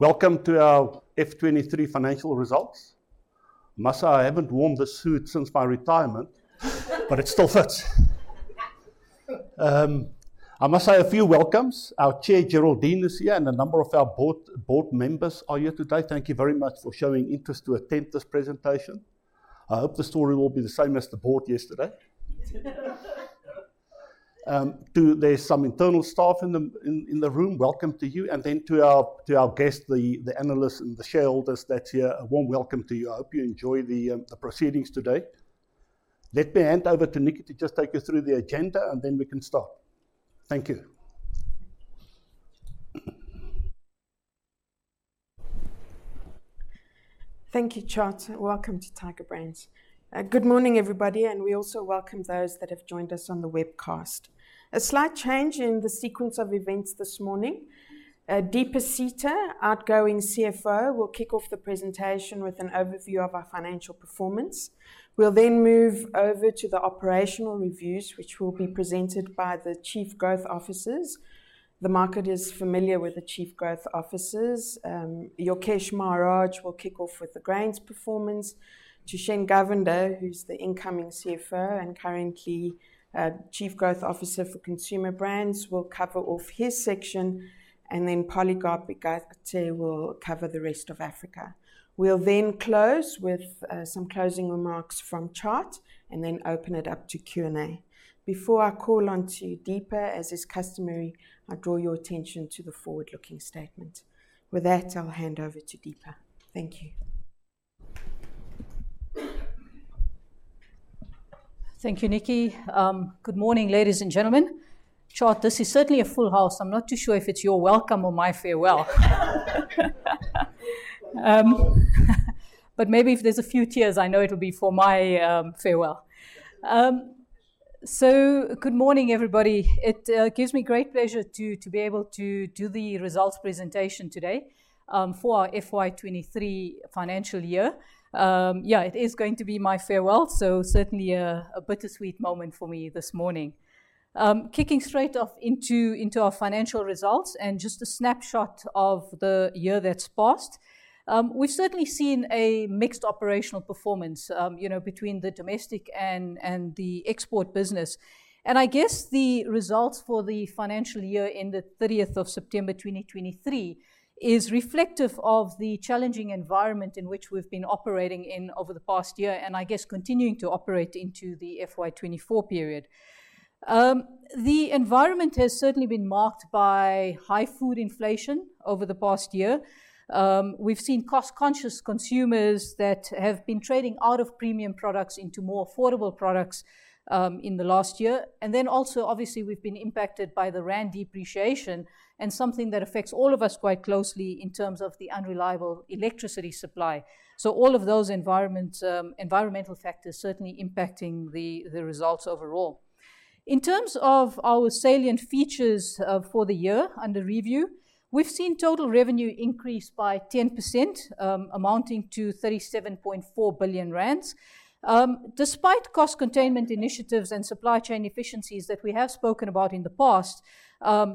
Welcome to our FY 2023 financial results. I must say, I haven't worn this suit since my retirement, but it still fits. I must say a few welcomes. Our Chair, Geraldine, is here, and a number of our board members are here today. Thank you very much for showing interest to attend this presentation. I hope the story will be the same as the board yesterday. There's some internal staff in the room; welcome to you. And then to our guests, the analysts and the shareholders that's here, a warm welcome to you. I hope you enjoy the proceedings today. Let me hand over to Nikki to just take you through the agenda, and then we can start. Thank you. Thank you, Tjaart. Welcome to Tiger Brands. Good morning, everybody, and we also welcome those that have joined us on the webcast. A slight change in the sequence of events this morning. Deepa Sita, outgoing CFO, will kick off the presentation with an overview of our financial performance. We'll then move over to the operational reviews, which will be presented by the Chief Growth Officers. The market is familiar with the Chief Growth Officers. Yokesh Maharaj will kick off with the grains performance. Thushen Govender, who's the incoming CFO and currently Chief Growth Officer for consumer brands, will cover off his section, and then Polycarp Igathe will cover the rest of Africa. We'll then close with some closing remarks from Tjaart and then open it up to Q&A. Before I call on to Deepa, as is customary, I draw your attention to the forward-looking statement. With that, I'll hand over to Deepa. Thank you. Thank you, Nikki. Good morning, ladies and gentlemen. Tjaart, this is certainly a full house. I'm not too sure if it's your welcome or my farewell. But maybe if there's a few tears, I know it'll be for my farewell. So good morning, everybody. It gives me great pleasure to be able to do the results presentation today for our FY 2023 financial year. Yeah, it is going to be my farewell, so certainly a bittersweet moment for me this morning. Kicking straight off into our financial results and just a snapshot of the year that's passed. We've certainly seen a mixed operational performance, you know, between the domestic and the export business. And I guess the results for the financial year ended September 30th, 2023 is reflective of the challenging environment in which we've been operating in over the past year, and I guess continuing to operate into the FY 2024 period. The environment has certainly been marked by high food inflation over the past year. We've seen cost-conscious consumers that have been trading out of premium products into more affordable products, in the last year. And then also, obviously, we've been impacted by the rand depreciation and something that affects all of us quite closely in terms of the unreliable electricity supply. So all of those environmental factors certainly impacting the results overall. In terms of our salient features, for the year under review, we've seen total revenue increase by 10%, amounting to 37.4 billion rand. Despite cost containment initiatives and supply chain efficiencies that we have spoken about in the past,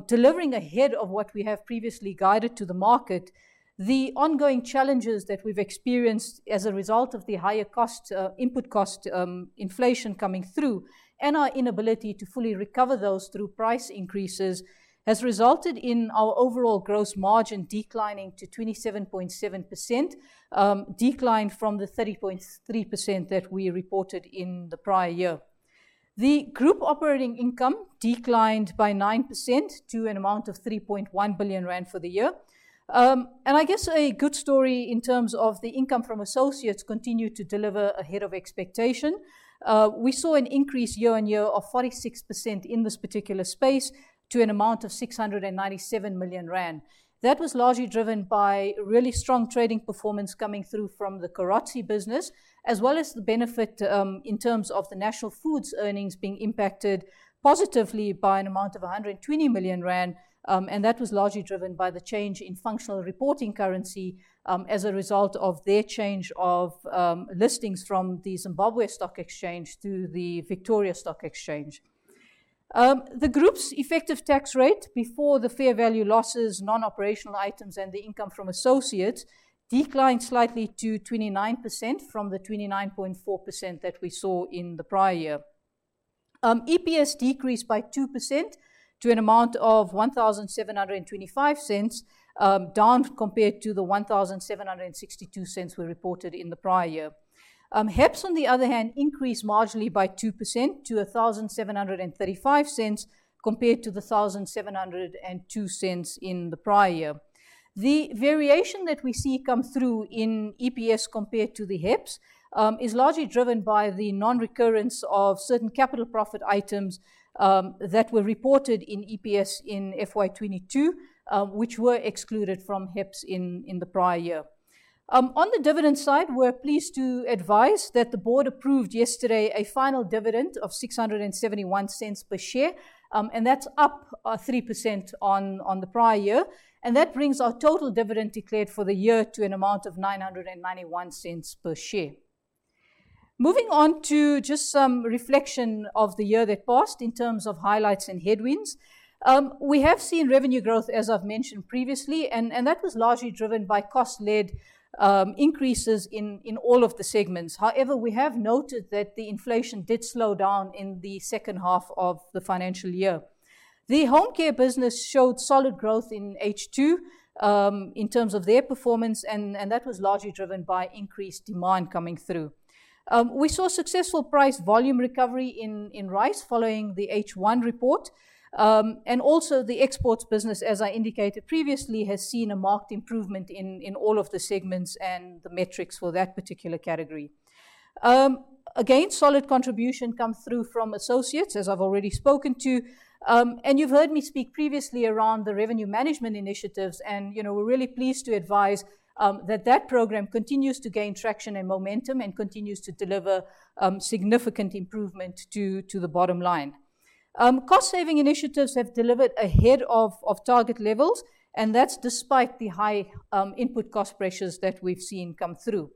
delivering ahead of what we have previously guided to the market, the ongoing challenges that we've experienced as a result of the higher cost, input cost, inflation coming through, and our inability to fully recover those through price increases, has resulted in our overall gross margin declining to 27.7%, decline from the 30.3% that we reported in the prior year. The group operating income declined by 9% to an amount of 3.1 billion rand for the year. And I guess a good story in terms of the income from associates continued to deliver ahead of expectation. We saw an increase year-on-year of 46% in this particular space to an amount of 697 million rand. That was largely driven by really strong trading performance coming through from the Chococam business, as well as the benefit, in terms of the National Foods earnings being impacted positively by an amount of 120 million rand, and that was largely driven by the change in functional reporting currency, as a result of their change of, listings from the Zimbabwe Stock Exchange to the Victoria Falls Stock Exchange. The group's effective tax rate before the fair value losses, non-operational items, and the income from associates declined slightly to 29% from the 29.4% that we saw in the prior year. EPS decreased by 2% to 17.25, down compared to the 17.62 we reported in the prior year. HEPS, on the other hand, increased marginally by 2% to 17.35, compared to the 17.02 in the prior year. The variation that we see come through in EPS compared to the HEPS is largely driven by the non-recurrence of certain capital profit items that were reported in EPS in FY 2022, which were excluded from HEPS in the prior year. On the dividend side, we're pleased to advise that the board approved yesterday a final dividend of 6.71 per share, and that's up 3% on the prior year. And that brings our total dividend declared for the year to an amount of 9.91 per share. Moving on to just some reflection of the year that passed in terms of highlights and headwinds. We have seen revenue growth, as I've mentioned previously, and that was largely driven by cost-led increases in all of the segments. However, we have noted that the inflation did slow down in the second half of the financial year. The home care business showed solid growth in H2 in terms of their performance, and that was largely driven by increased demand coming through. We saw successful price volume recovery in rice following the H1 report. And also the exports business, as I indicated previously, has seen a marked improvement in all of the segments and the metrics for that particular category. Again, solid contribution come through from associates, as I've already spoken to. You've heard me speak previously around the revenue management initiatives, and, you know, we're really pleased to advise, that that program continues to gain traction and momentum and continues to deliver, significant improvement to the bottom line. Cost saving initiatives have delivered ahead of target levels, and that's despite the high input cost pressures that we've seen come through.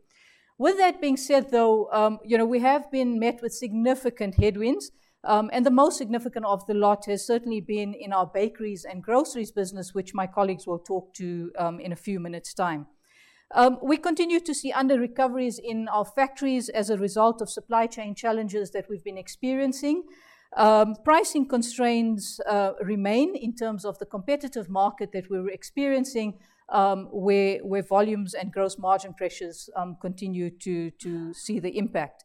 With that being said, though, you know, we have been met with significant headwinds, and the most significant of the lot has certainly been in our bakeries and groceries business, which my colleagues will talk to, in a few minutes' time. We continue to see underrecoveries in our factories as a result of supply chain challenges that we've been experiencing. Pricing constraints remain in terms of the competitive market that we're experiencing, where volumes and gross margin pressures continue to see the impact.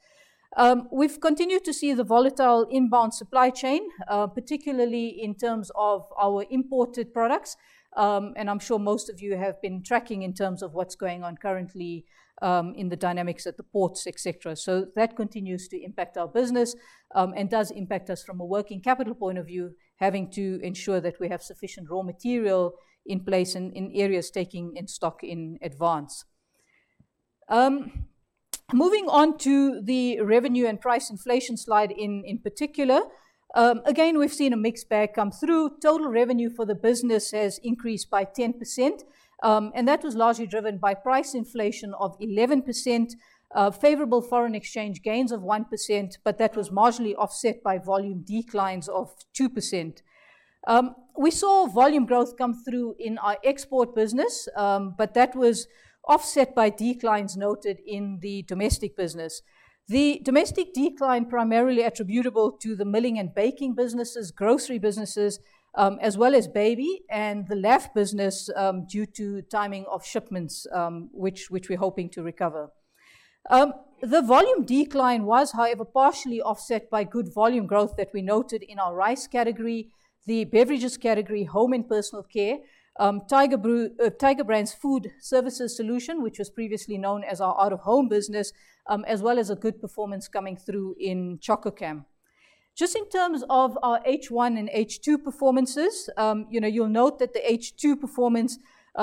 We've continued to see the volatile inbound supply chain, particularly in terms of our imported products. I'm sure most of you have been tracking in terms of what's going on currently, in the dynamics at the ports, et cetera. That continues to impact our business, and does impact us from a working capital point of view, having to ensure that we have sufficient raw material in place and in areas taking in stock in advance. Moving on to the revenue and price inflation slide in particular, again, we've seen a mixed bag come through. Total revenue for the business has increased by 10%, and that was largely driven by price inflation of 11%, favorable foreign exchange gains of 1%, but that was marginally offset by volume declines of 2%. We saw volume growth come through in our export business, but that was offset by declines noted in the domestic business. The domestic decline primarily attributable to the milling and baking businesses, grocery businesses, as well as baby and the LAF business, due to timing of shipments, which we're hoping to recover. The volume decline was, however, partially offset by good volume growth that we noted in our rice category, the beverages category, home and personal care, Tiger Food Services Solutions, which was previously known as our out-of-home business, as well as a good performance coming through in Chococam. Just in terms of our H1 and H2 performances, you know, you'll note that the H2 performance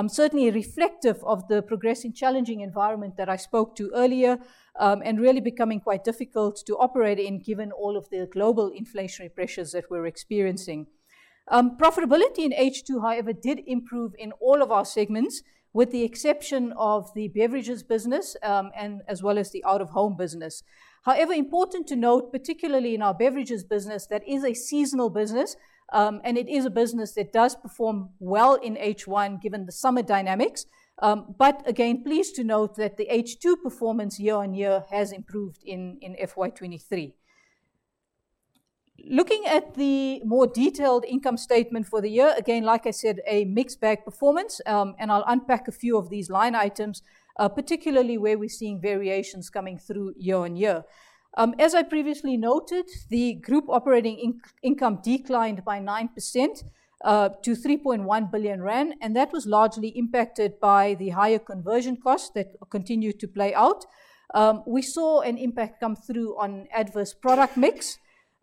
certainly reflective of the progressing challenging environment that I spoke to earlier, and really becoming quite difficult to operate in, given all of the global inflationary pressures that we're experiencing. Profitability in H2, however, did improve in all of our segments, with the exception of the beverages business, and as well as the out-of-home business. However, important to note, particularly in our beverages business, that is a seasonal business, and it is a business that does perform well in H1, given the summer dynamics. But again, pleased to note that the H2 performance year-on-year has improved in FY 2023. Looking at the more detailed income statement for the year, again, like I said, a mixed bag performance, and I'll unpack a few of these line items, particularly where we're seeing variations coming through year-on-year. As I previously noted, the group operating income declined by 9%, to 3.1 billion rand, and that was largely impacted by the higher conversion costs that continued to play out. We saw an impact come through on adverse product mix.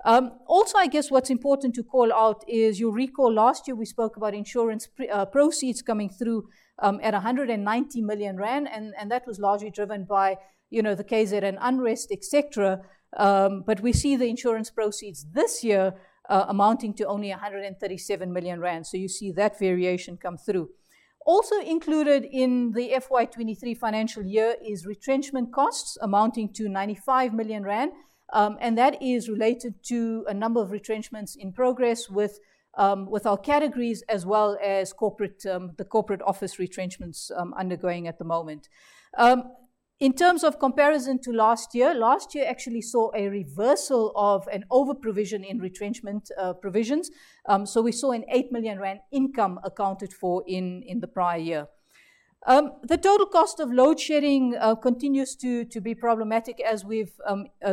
Also, I guess what's important to call out is you'll recall last year we spoke about insurance proceeds coming through at 190 million rand, and that was largely driven by, you know, the KZ Unrest, et cetera. But we see the insurance proceeds this year amounting to only 137 million rand. So you see that variation come through. Also included in the FY 2023 financial year is retrenchment costs amounting to 95 million rand, and that is related to a number of retrenchments in progress with our categories, as well as corporate, the corporate office retrenchments undergoing at the moment. In terms of comparison to last year, last year actually saw a reversal of an overprovision in retrenchment provisions. So we saw 8 million rand income accounted for in the prior year. The total cost of load shedding continues to be problematic, as we've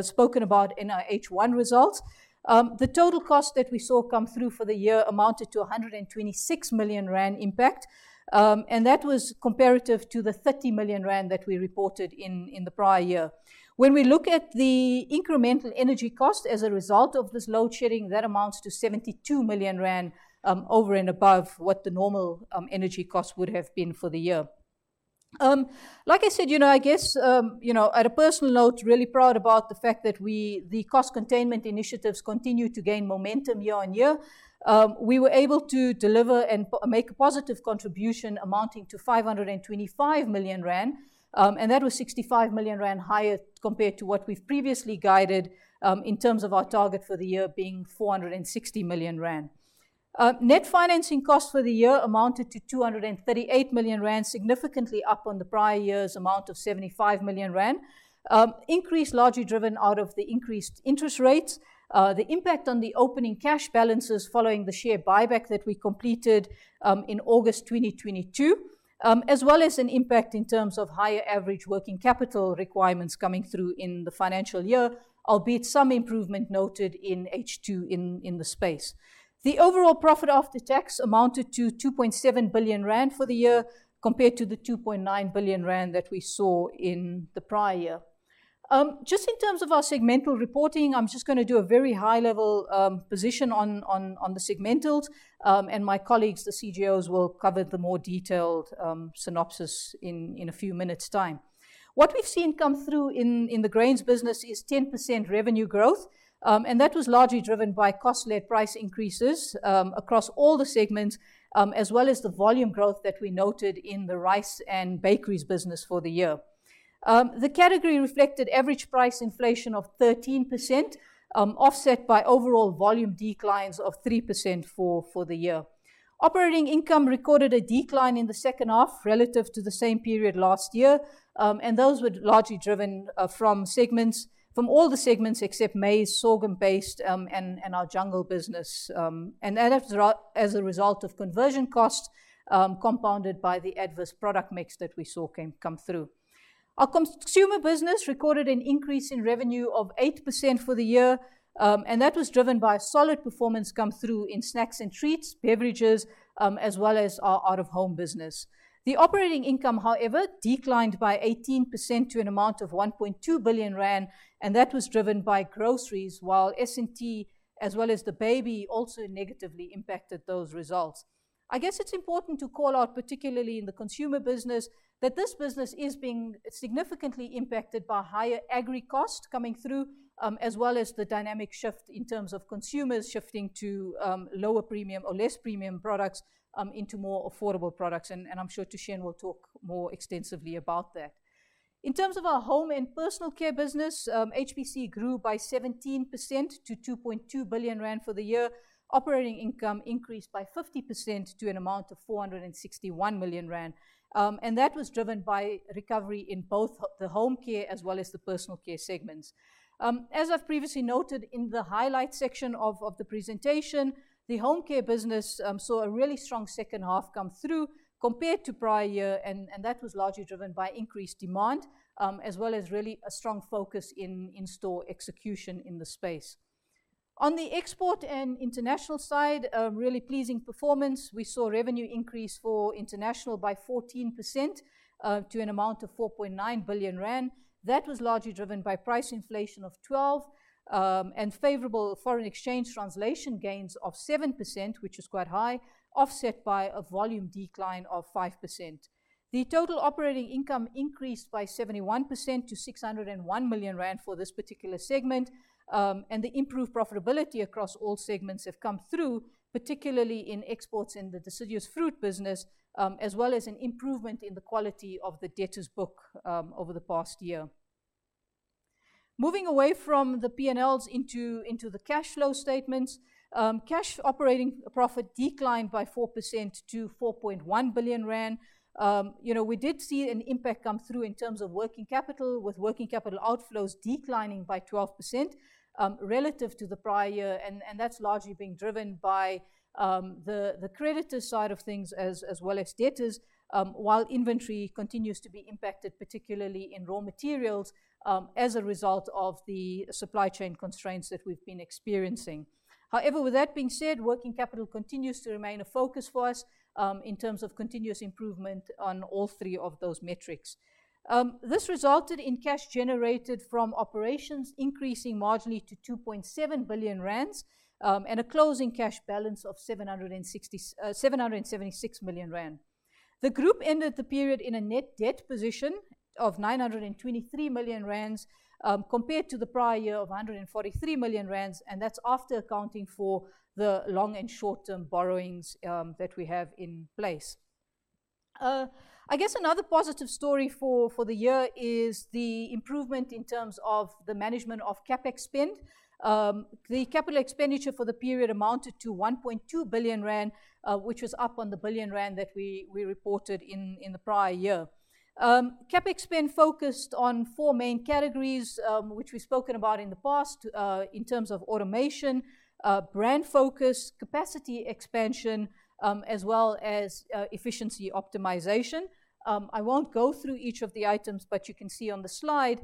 spoken about in our H1 results. The total cost that we saw come through for the year amounted to 126 million rand impact, and that was comparative to the 30 million rand that we reported in the prior year. When we look at the incremental energy cost as a result of this load shedding, that amounts to 72 million rand, over and above what the normal energy cost would have been for the year. Like I said, you know, I guess, you know, at a personal note, really proud about the fact that we, the cost containment initiatives continue to gain momentum year on year. We were able to deliver and make a positive contribution amounting to 525 million rand, and that was 65 million rand higher compared to what we've previously guided, in terms of our target for the year being 460 million rand. Net financing costs for the year amounted to 238 million rand, significantly up on the prior year's amount of 75 million rand. Increase largely driven out of the increased interest rates, the impact on the opening cash balances following the share buyback that we completed in August 2022, as well as an impact in terms of higher average working capital requirements coming through in the financial year, albeit some improvement noted in H2 in the space. The overall profit after tax amounted to 2.7 billion rand for the year, compared to the 2.9 billion rand that we saw in the prior year. Just in terms of our segmental reporting, I'm just gonna do a very high level position on the segmentals, and my colleagues, the CGOs, will cover the more detailed synopsis in a few minutes time. What we've seen come through in the grains business is 10% revenue growth, and that was largely driven by cost-led price increases across all the segments, as well as the volume growth that we noted in the rice and bakeries business for the year. The category reflected average price inflation of 13%, offset by overall volume declines of 3% for the year. Operating income recorded a decline in the second half relative to the same period last year, and those were largely driven from segments, from all the segments except maize, sorghum-based, and our Jungle business. And that as a result of conversion costs, compounded by the adverse product mix that we saw come through. Our consumer business recorded an increase in revenue of 8% for the year, and that was driven by a solid performance come through in snacks and treats, beverages, as well as our out-of-home business. The operating income, however, declined by 18% to an amount of 1.2 billion rand, and that was driven by groceries, while S&T, as well as the baby, also negatively impacted those results. I guess it's important to call out, particularly in the consumer business, that this business is being significantly impacted by higher agri costs coming through, as well as the dynamic shift in terms of consumers shifting to, lower premium or less premium products, into more affordable products, and, and I'm sure Thushen will talk more extensively about that. In terms of our home and personal care business, HBC grew by 17% to 2.2 billion rand for the year. Operating income increased by 50% to an amount of 461 million rand. And that was driven by recovery in both the home care as well as the personal care segments. As I've previously noted in the highlight section of the presentation, the home care business saw a really strong second half come through compared to prior year, and that was largely driven by increased demand, as well as really a strong focus in in-store execution in the space. On the export and international side, a really pleasing performance. We saw revenue increase for international by 14% to an amount of 4.9 billion rand. That was largely driven by price inflation of 12%, and favorable foreign exchange translation gains of 7%, which is quite high, offset by a volume decline of 5%. The total operating income increased by 71% to 601 million rand for this particular segment, and the improved profitability across all segments have come through, particularly in exports in the deciduous fruit business, as well as an improvement in the quality of the debtors book, over the past year. Moving away from the P&Ls into the cash flow statements, cash operating profit declined by 4% to 4.1 billion rand. You know, we did see an impact come through in terms of working capital, with working capital outflows declining by 12%, relative to the prior year, and that's largely being driven by the creditor side of things as well as debtors, while inventory continues to be impacted, particularly in raw materials, as a result of the supply chain constraints that we've been experiencing. However, with that being said, working capital continues to remain a focus for us, in terms of continuous improvement on all three of those metrics. This resulted in cash generated from operations increasing marginally to 2.7 billion rand, and a closing cash balance of 776 million rand. The group ended the period in a net debt position of 923 million rand, compared to the prior year of 143 million rand, and that's after accounting for the long- and short-term borrowings that we have in place. I guess another positive story for the year is the improvement in terms of the management of CapEx spend. The capital expenditure for the period amounted to 1.2 billion rand, which was up on the 1 billion rand that we reported in the prior year. CapEx spend focused on four main categories, which we've spoken about in the past, in terms of automation, brand focus, capacity expansion, as well as efficiency optimization. I won't go through each of the items, but you can see on the slide,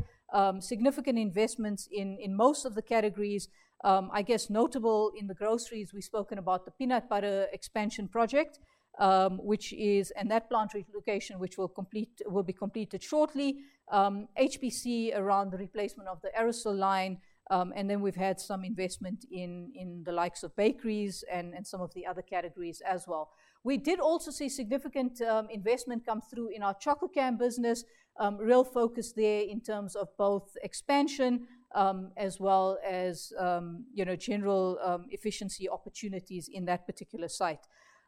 significant investments in most of the categories. I guess notable in the groceries, we've spoken about the peanut butter expansion project, and that plant relocation, which will complete, will be completed shortly. HBC around the replacement of the aerosol line, and then we've had some investment in the likes of bakeries and some of the other categories as well. We did also see significant investment come through in our Chococam business. Real focus there in terms of both expansion, as well as, you know, general efficiency opportunities in that particular site.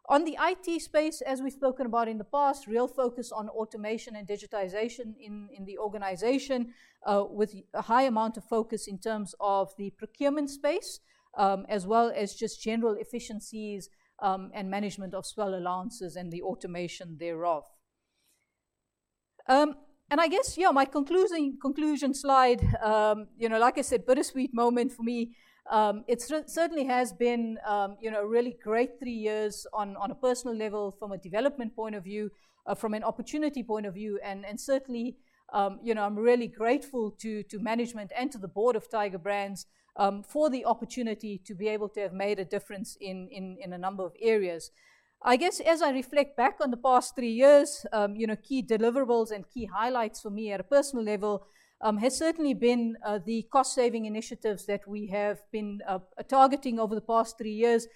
On the IT space, as we've spoken about in the past, real focus on automation and digitization in the organization, with a high amount of focus in terms of the procurement space, as well as just general efficiencies, and management of swell allowances and the automation thereof. And I guess, yeah, my concluding conclusion slide, you know, like I said, bittersweet moment for me. It certainly has been, you know, a really great three years on a personal level, from a development point of view, from an opportunity point of view, and certainly, you know, I'm really grateful to management and to the board of Tiger Brands, for the opportunity to be able to have made a difference in a number of areas. I guess as I reflect back on the past three years, you know, key deliverables and key highlights for me at a personal level has certainly been the cost-saving initiatives that we have been targeting over the past three years.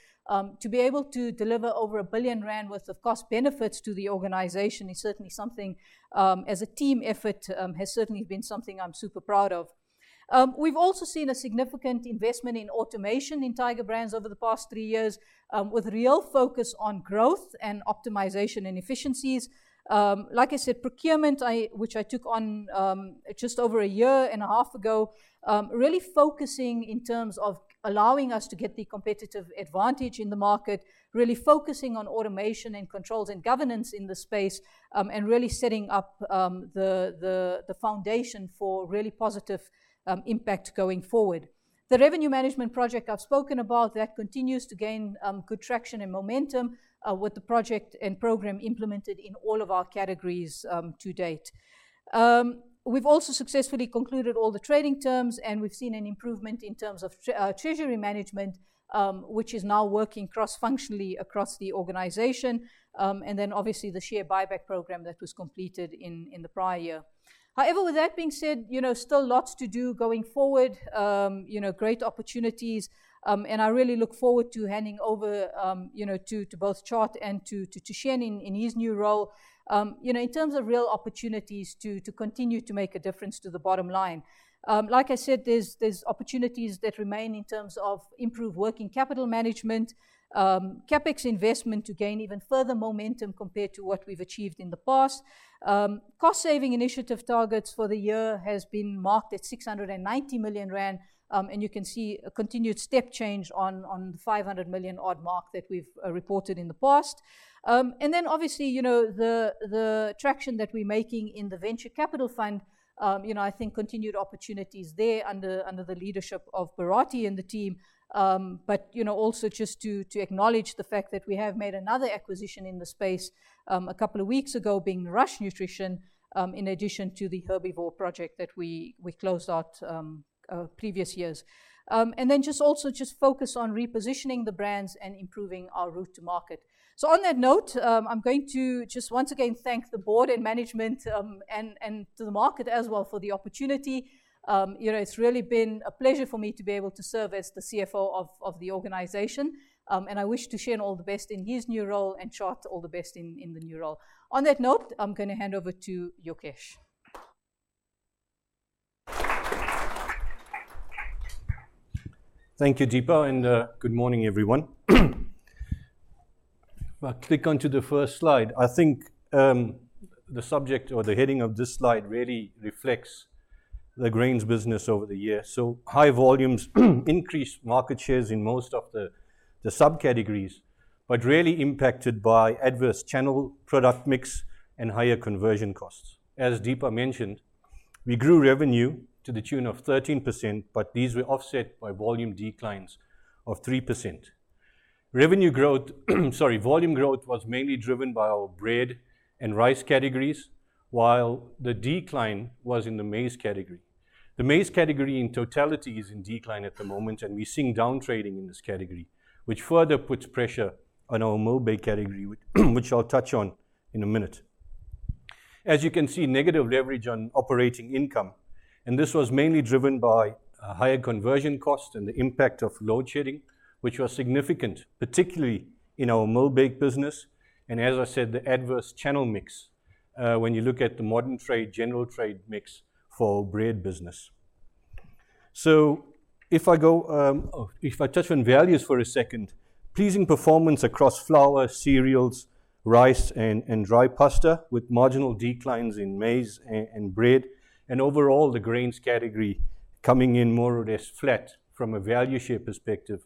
To be able to deliver over 1 billion rand worth of cost benefits to the organization is certainly something, as a team effort, has certainly been something I'm super proud of. We've also seen a significant investment in automation in Tiger Brands over the past three years, with real focus on growth and optimization and efficiencies. Like I said, procurement, which I took on just over a year and a half ago, really focusing in terms of allowing us to get the competitive advantage in the market, really focusing on automation and controls and governance in the space, and really setting up the foundation for really positive impact going forward. The revenue management project I've spoken about continues to gain good traction and momentum, with the project and program implemented in all of our categories to date. We've also successfully concluded all the trading terms, and we've seen an improvement in terms of treasury management, which is now working cross-functionally across the organization. And then obviously, the share buyback program that was completed in the prior year. However, with that being said, you know, still lots to do going forward, you know, great opportunities, and I really look forward to handing over, you know, to both Tjaart and to Thushen in his new role. You know, in terms of real opportunities to continue to make a difference to the bottom line, like I said, there's opportunities that remain in terms of improved working capital management, CapEx investment to gain even further momentum compared to what we've achieved in the past. Cost-saving initiative targets for the year has been marked at 690 million rand, and you can see a continued step change on the 500 million-odd mark that we've reported in the past. And then obviously, you know, the traction that we're making in the venture capital fund, you know, I think continued opportunities there under the leadership of Barati and the team. But, you know, also just to acknowledge the fact that we have made another acquisition in the space, a couple of weeks ago, being Rush Nutrition, in addition to the Herbivore project that we closed out, previous years. And then just also just focus on repositioning the brands and improving our route to market. So on that note, I'm going to just once again thank the board and management, and to the market as well for the opportunity. You know, it's really been a pleasure for me to be able to serve as the CFO of the organization, and I wish Thushen all the best in his new role and Tjaart all the best in the new role. On that note, I'm gonna hand over to Yokesh. Thank you, Deepa, and good morning, everyone. If I click onto the first slide, I think the subject or the heading of this slide really reflects the Grains business over the years. So high volumes, increased market shares in most of the subcategories, but really impacted by adverse channel, product mix, and higher conversion costs. As Deepa mentioned, we grew revenue to the tune of 13%, but these were offset by volume declines of 3%. Revenue growth, sorry, volume growth was mainly driven by our bread and rice categories, while the decline was in the maize category. The maize category in totality is in decline at the moment, and we're seeing downtrading in this category, which further puts pressure on our mill bake category, which I'll touch on in a minute. As you can see, negative leverage on operating income, and this was mainly driven by a higher conversion cost and the impact of load shedding, which was significant, particularly in our mill bake business, and as I said, the adverse channel mix, when you look at the modern trade, general trade mix for our bread business. So if I go, if I touch on values for a second, pleasing performance across flour, cereals, rice, and dry pasta, with marginal declines in maize and bread, and overall, the grains category coming in more or less flat from a value share perspective,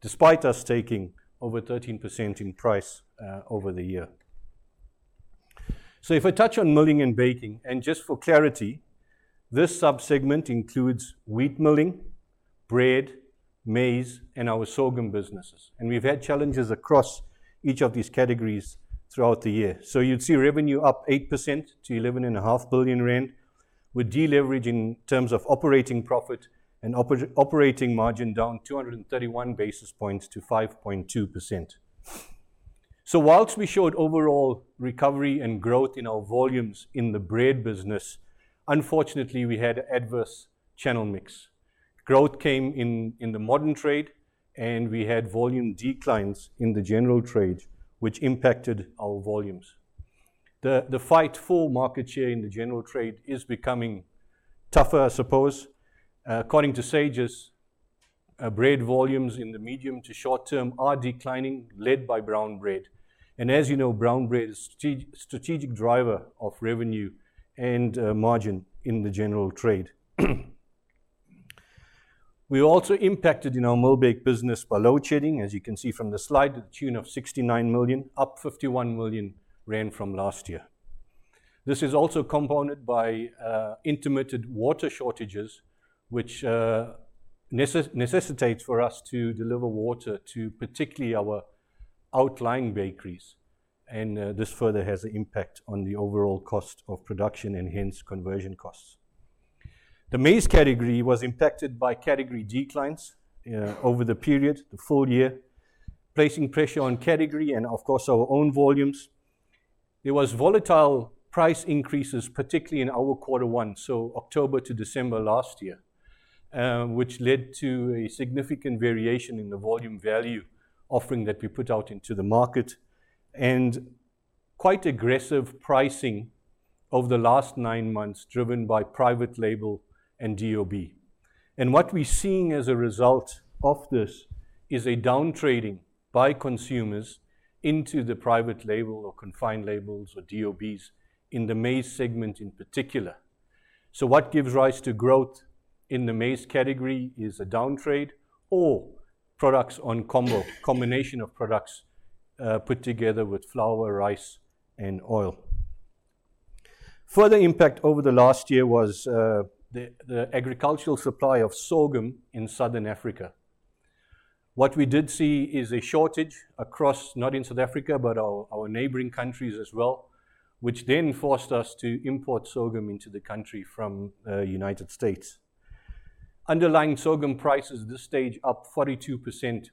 despite us taking over 13% in price, over the year. So if I touch on milling and baking, and just for clarity, this subsegment includes wheat milling, bread, maize, and our sorghum businesses, and we've had challenges across each of these categories throughout the year. So you'd see revenue up 8% to 11.5 billion rand, with deleveraging in terms of operating profit and operating margin down 231 basis points to 5.2%. So whilst we showed overall recovery and growth in our volumes in the bread business, unfortunately, we had adverse channel mix. Growth came in the modern trade, and we had volume declines in the general trade, which impacted our volumes. The fight for market share in the general trade is becoming tougher, I suppose. According to SAGIS, bread volumes in the medium to short term are declining, led by brown bread. As you know, brown bread is a strategic driver of revenue and margin in the general trade. We were also impacted in our Millbake business by load shedding, as you can see from the slide, to the tune of 69 million, up 51 million rand from last year. This is also compounded by intermittent water shortages, which necessitates for us to deliver water to particularly our outlying bakeries, and this further has an impact on the overall cost of production and hence conversion costs. The maize category was impacted by category declines over the period, the full year, placing pressure on category and of course, our own volumes. There was volatile price increases, particularly in our quarter one, so October to December last year, which led to a significant variation in the volume value offering that we put out into the market, and quite aggressive pricing over the last nine months, driven by private label and DOB. And what we're seeing as a result of this is a down trading by consumers into the private label or confined labels or DOBs in the maize segment in particular. So what gives rise to growth in the maize category is a down trade or products on combo, combination of products, put together with flour, rice, and oil. Further impact over the last year was the agricultural supply of sorghum in Southern Africa. What we did see is a shortage across, not in South Africa, but our, our neighboring countries as well, which then forced us to import sorghum into the country from, United States. Underlying sorghum prices at this stage up 42%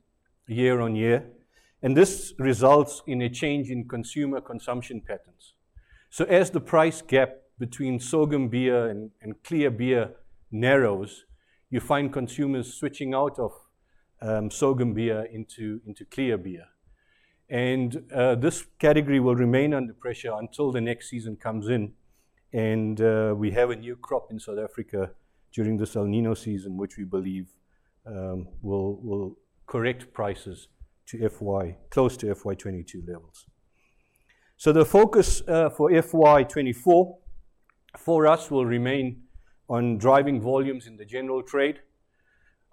year-on-year, and this results in a change in consumer consumption patterns. So as the price gap between sorghum beer and, and clear beer narrows, you find consumers switching out of, sorghum beer into, into clear beer. And, this category will remain under pressure until the next season comes in, and, we have a new crop in South Africa during the El Niño season, which we believe, will, will correct prices to FY, close to FY 2022 levels. So the focus, for FY 2024 for us will remain on driving volumes in the general trade.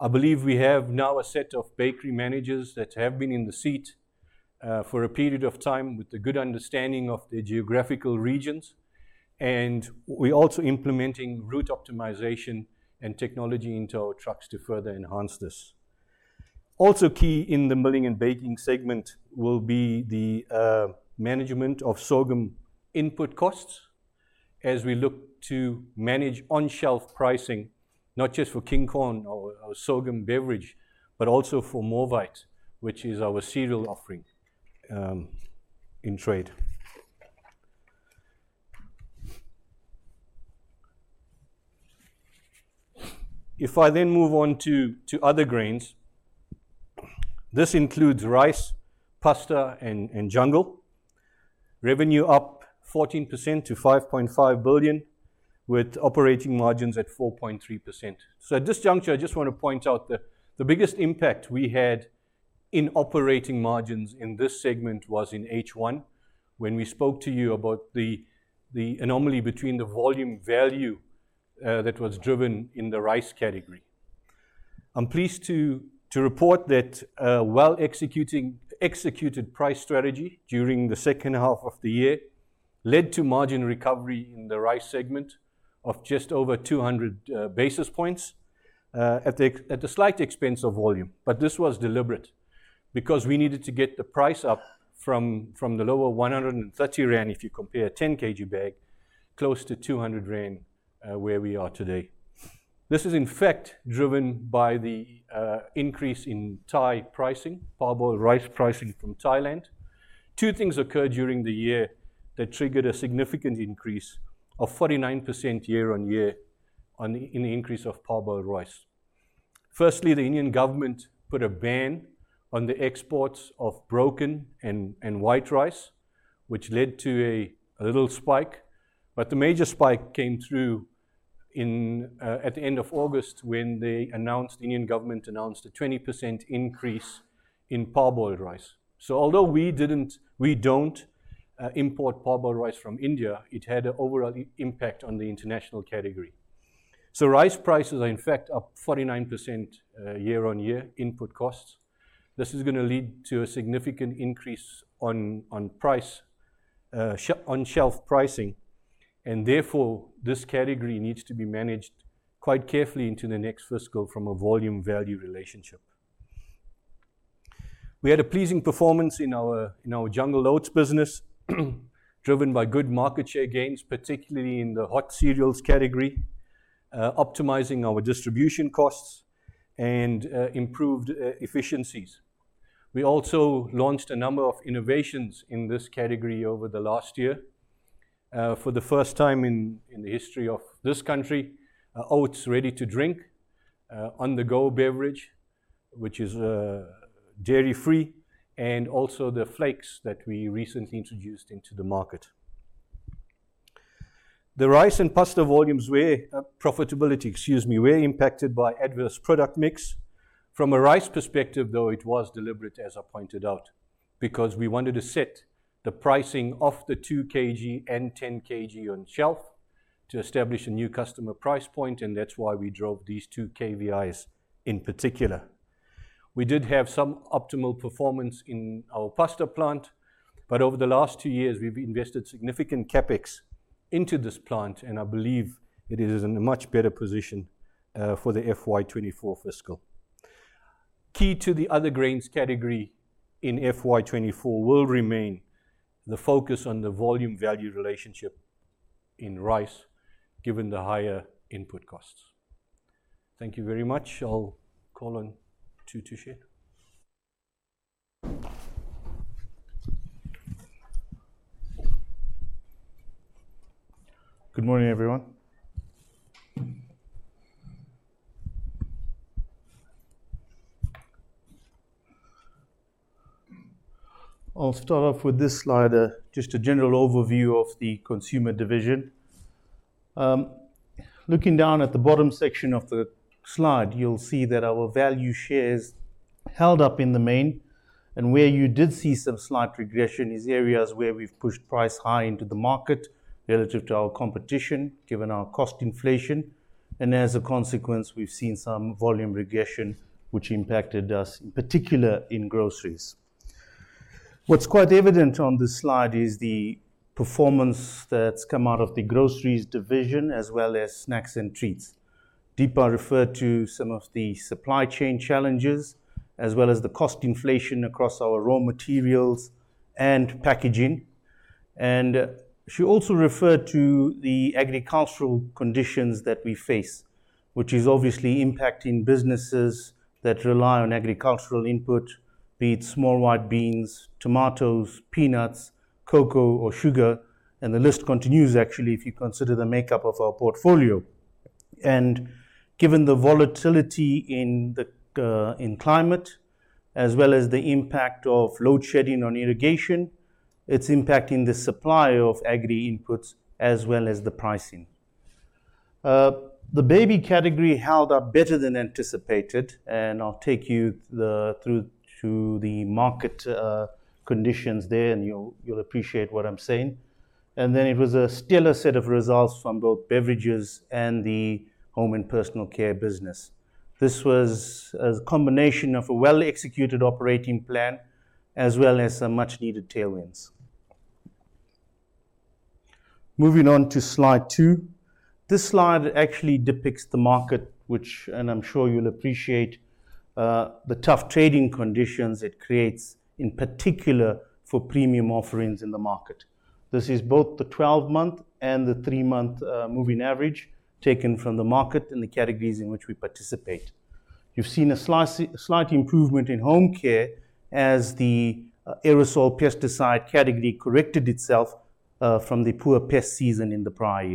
I believe we have now a set of bakery managers that have been in the seat for a period of time with a good understanding of the geographical regions, and we're also implementing route optimization and technology into our trucks to further enhance this. Also key in the milling and baking segment will be the management of sorghum input costs as we look to manage on-shelf pricing, not just for King Korn or sorghum beverage, but also for Morvite, which is our cereal offering in trade. If I then move on to other grains, this includes rice, pasta, and jungle. Revenue up 14% to 5.5 billion, with operating margins at 4.3%. So at this juncture, I just want to point out that the biggest impact we had in operating margins in this segment was in H1, when we spoke to you about the anomaly between the volume value that was driven in the rice category. I'm pleased to report that well-executed price strategy during the second half of the year led to margin recovery in the rice segment of just over 200 basis points at the slight expense of volume. But this was deliberate because we needed to get the price up from the lower 130 rand, if you compare a 10 kg bag, close to 200 rand where we are today. This is in fact driven by the increase in Thai pricing, parboiled rice pricing from Thailand. Two things occurred during the year that triggered a significant increase of 49% year-on-year in the increase of parboiled rice. Firstly, the Indian government put a ban on the exports of broken and white rice, which led to a little spike, but the major spike came through at the end of August, when they announced, the Indian government announced a 20% increase in parboiled rice. So although we didn't we don't import parboiled rice from India, it had an overall impact on the international category. So rice prices are in fact up 49% year-on-year input costs. This is gonna lead to a significant increase on price, on shelf pricing, and therefore, this category needs to be managed quite carefully into the next fiscal from a volume-value relationship. We had a pleasing performance in our, in our Jungle Oats business, driven by good market share gains, particularly in the hot cereals category, optimizing our distribution costs and, improved, efficiencies. We also launched a number of innovations in this category over the last year. For the first time in, in the history of this country, oats ready to drink, on-the-go beverage, which is, dairy-free, and also the flakes that we recently introduced into the market. The rice and pasta volumes were, profitability, excuse me, were impacted by adverse product mix.... From a rice perspective, though, it was deliberate, as I pointed out, because we wanted to set the pricing of the 2 kg and 10 kg on shelf to establish a new customer price point, and that's why we drove these two KVIs in particular. We did have some optimal performance in our pasta plant, but over the last two years, we've invested significant CapEx into this plant, and I believe it is in a much better position for the FY 2024 fiscal. Key to the other grains category in FY 2024 will remain the focus on the volume-value relationship in rice, given the higher input costs. Thank you very much. I'll call on Thushen. Good morning, everyone. I'll start off with this slide, just a general overview of the consumer division. Looking down at the bottom section of the slide, you'll see that our value shares held up in the main, and where you did see some slight regression is areas where we've pushed price high into the market relative to our competition, given our cost inflation, and as a consequence, we've seen some volume regression, which impacted us, in particular in groceries. What's quite evident on this slide is the performance that's come out of the groceries division, as well as snacks and treats. Deepa referred to some of the supply chain challenges, as well as the cost inflation across our raw materials and packaging. She also referred to the agricultural conditions that we face, which is obviously impacting businesses that rely on agricultural input, be it small white beans, tomatoes, peanuts, cocoa, or sugar, and the list continues, actually, if you consider the makeup of our portfolio. Given the volatility in the, in climate, as well as the impact of load shedding on irrigation, it's impacting the supply of agri inputs as well as the pricing. The baby category held up better than anticipated, and I'll take you the, through to the market conditions there, and you'll, you'll appreciate what I'm saying. Then it was a stellar set of results from both beverages and the home and personal care business. This was a combination of a well-executed operating plan, as well as some much-needed tailwinds. Moving on to slide two. This slide actually depicts the market, which... I'm sure you'll appreciate the tough trading conditions it creates, in particular, for premium offerings in the market. This is both the 12-month and the three-month moving average taken from the market and the categories in which we participate. You've seen a slight improvement in home care as the aerosol pesticide category corrected itself from the poor pest season in the prior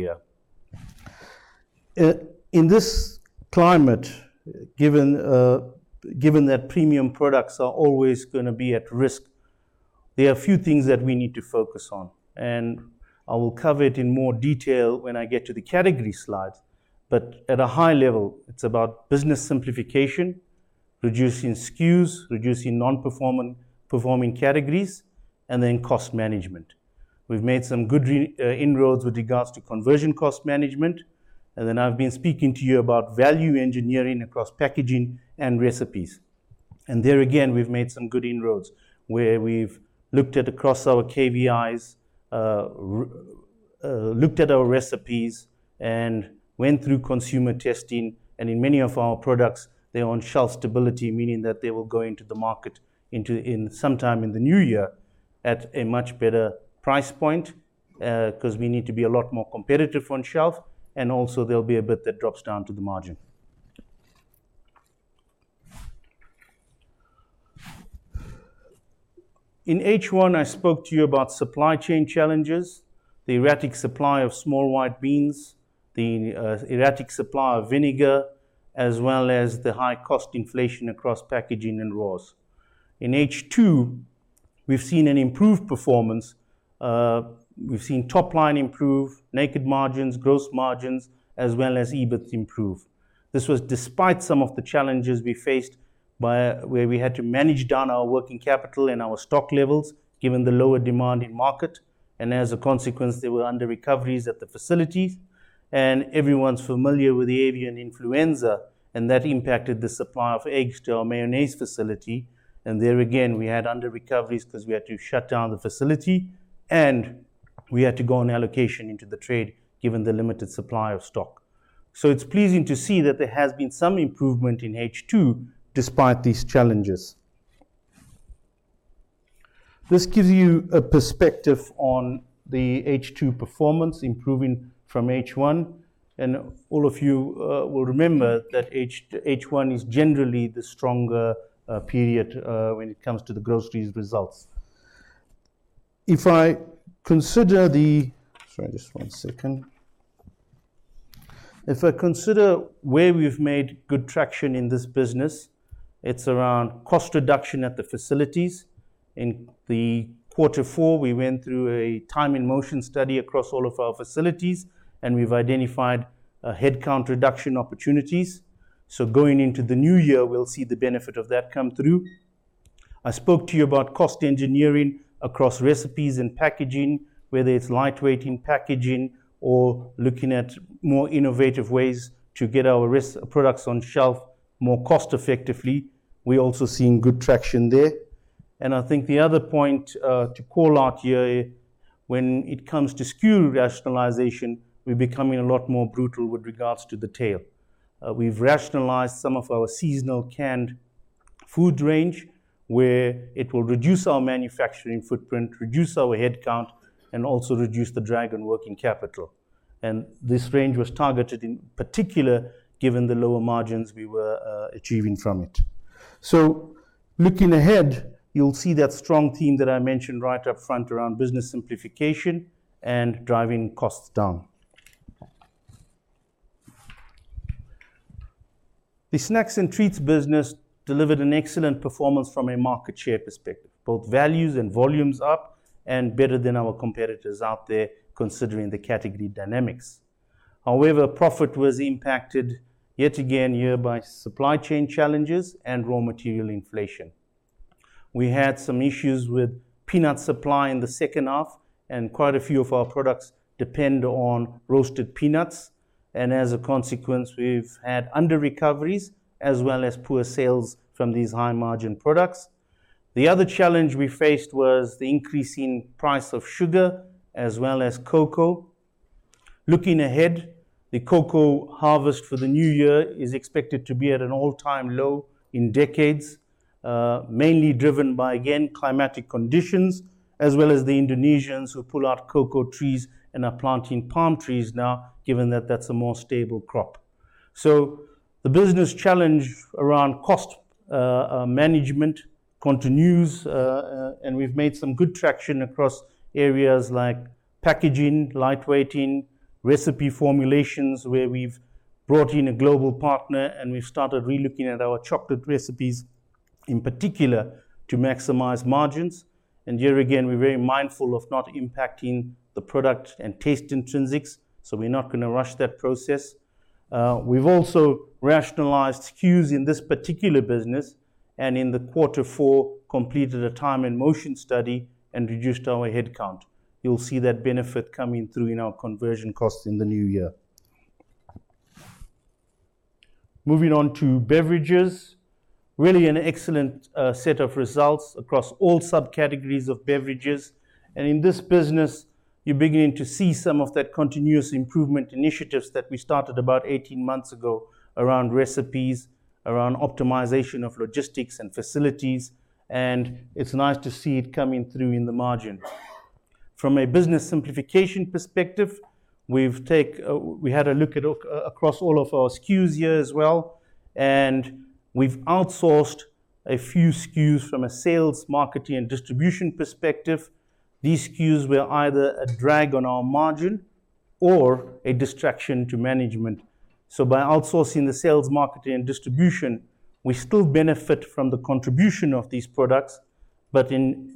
year. In this climate, given given that premium products are always gonna be at risk, there are a few things that we need to focus on, and I will cover it in more detail when I get to the category slides. But at a high level, it's about business simplification, reducing SKUs, reducing non-performing categories, and then cost management. We've made some good inroads with regards to conversion cost management, and then I've been speaking to you about value engineering across packaging and recipes. There again, we've made some good inroads, where we've looked at across our KVIs, looked at our recipes, and went through consumer testing, and in many of our products, they're on shelf stability, meaning that they will go into the market in sometime in the new year at a much better price point, 'cause we need to be a lot more competitive on shelf, and also there'll be a bit that drops down to the margin. In H1, I spoke to you about supply chain challenges, the erratic supply of small white beans, the erratic supply of vinegar, as well as the high cost inflation across packaging and raws. In H2, we've seen an improved performance. We've seen top line improve, net margins, gross margins, as well as EBIT improve. This was despite some of the challenges we faced where we had to manage down our working capital and our stock levels, given the lower demand in the market, and as a consequence, there were under-recoveries at the facilities. Everyone's familiar with the avian influenza, and that impacted the supply of eggs to our mayonnaise facility. And there again, we had under-recoveries 'cause we had to shut down the facility, and we had to go on allocation into the trade, given the limited supply of stock. So it's pleasing to see that there has been some improvement in H2 despite these challenges. This gives you a perspective on the H2 performance improving from H1, and all of you will remember that H1 is generally the stronger period when it comes to the groceries results. If I consider the... Sorry, just one second. If I consider where we've made good traction in this business, it's around cost reduction at the facilities. In the quarter four, we went through a time and motion study across all of our facilities, and we've identified headcount reduction opportunities. So going into the new year, we'll see the benefit of that come through. I spoke to you about cost engineering across recipes and packaging, whether it's lightweighting packaging or looking at more innovative ways to get our products on shelf more cost effectively. We're also seeing good traction there. I think the other point, to call out here, when it comes to SKU rationalization, we're becoming a lot more brutal with regards to the tail. We've rationalized some of our seasonal canned food range, where it will reduce our manufacturing footprint, reduce our headcount, and also reduce the drag on working capital. This range was targeted in particular, given the lower margins we were achieving from it. Looking ahead, you'll see that strong theme that I mentioned right up front around business simplification and driving costs down. The snacks and treats business delivered an excellent performance from a market share perspective, both values and volumes up and better than our competitors out there, considering the category dynamics. However, profit was impacted yet again here by supply chain challenges and raw material inflation. We had some issues with peanut supply in the second half, and quite a few of our products depend on roasted peanuts, and as a consequence, we've had underrecoveries as well as poor sales from these high-margin products. The other challenge we faced was the increasing price of sugar as well as cocoa. Looking ahead, the cocoa harvest for the new year is expected to be at an all-time low in decades, mainly driven by, again, climatic conditions, as well as the Indonesians who pull out cocoa trees and are planting palm trees now, given that that's a more stable crop. So the business challenge around cost management continues, and we've made some good traction across areas like packaging, lightweighting, recipe formulations, where we've brought in a global partner and we've started relooking at our chocolate recipes, in particular to maximize margins. And here again, we're very mindful of not impacting the product and taste intrinsics, so we're not going to rush that process. We've also rationalized SKUs in this particular business and in the quarter four, completed a time and motion study and reduced our headcount. You'll see that benefit coming through in our conversion costs in the new year. Moving on to beverages, really an excellent set of results across all subcategories of beverages. And in this business, you're beginning to see some of that continuous improvement initiatives that we started about 18 months ago around recipes, around optimization of logistics and facilities, and it's nice to see it coming through in the margin. From a business simplification perspective, we had a look across all of our SKUs here as well, and we've outsourced a few SKUs from a sales, marketing, and distribution perspective. These SKUs were either a drag on our margin or a distraction to management. So by outsourcing the sales, marketing, and distribution, we still benefit from the contribution of these products, but in,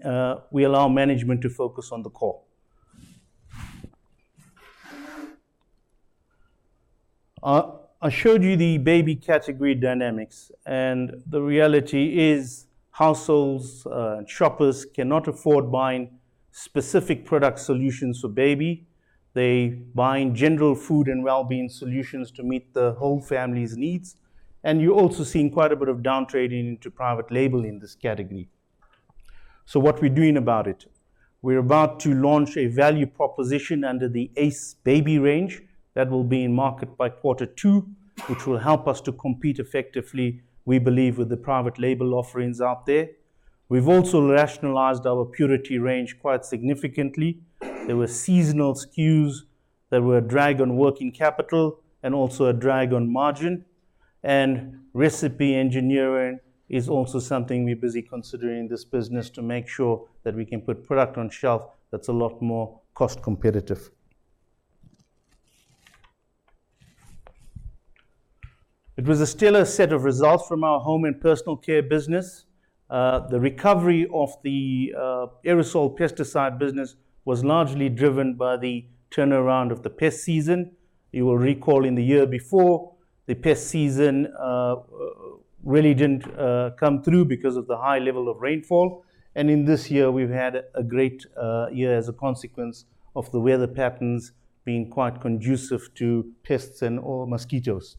we allow management to focus on the core. I showed you the baby category dynamics, and the reality is households, shoppers cannot afford buying specific product solutions for baby. They buying general food and well-being solutions to meet the whole family's needs, and you're also seeing quite a bit of downtrading into private label in this category. So what we're doing about it? We're about to launch a value proposition under the Ace baby range that will be in market by quarter two, which will help us to compete effectively, we believe, with the private label offerings out there. We've also rationalized our Purity range quite significantly. There were seasonal SKUs that were a drag on working capital and also a drag on margin, and recipe engineering is also something we're busy considering in this business to make sure that we can put product on shelf that's a lot more cost competitive. It was a stellar set of results from our home and personal care business. The recovery of the aerosol pesticide business was largely driven by the turnaround of the pest season. You will recall in the year before, the pest season really didn't come through because of the high level of rainfall, and in this year, we've had a great year as a consequence of the weather patterns being quite conducive to pests and or mosquitoes.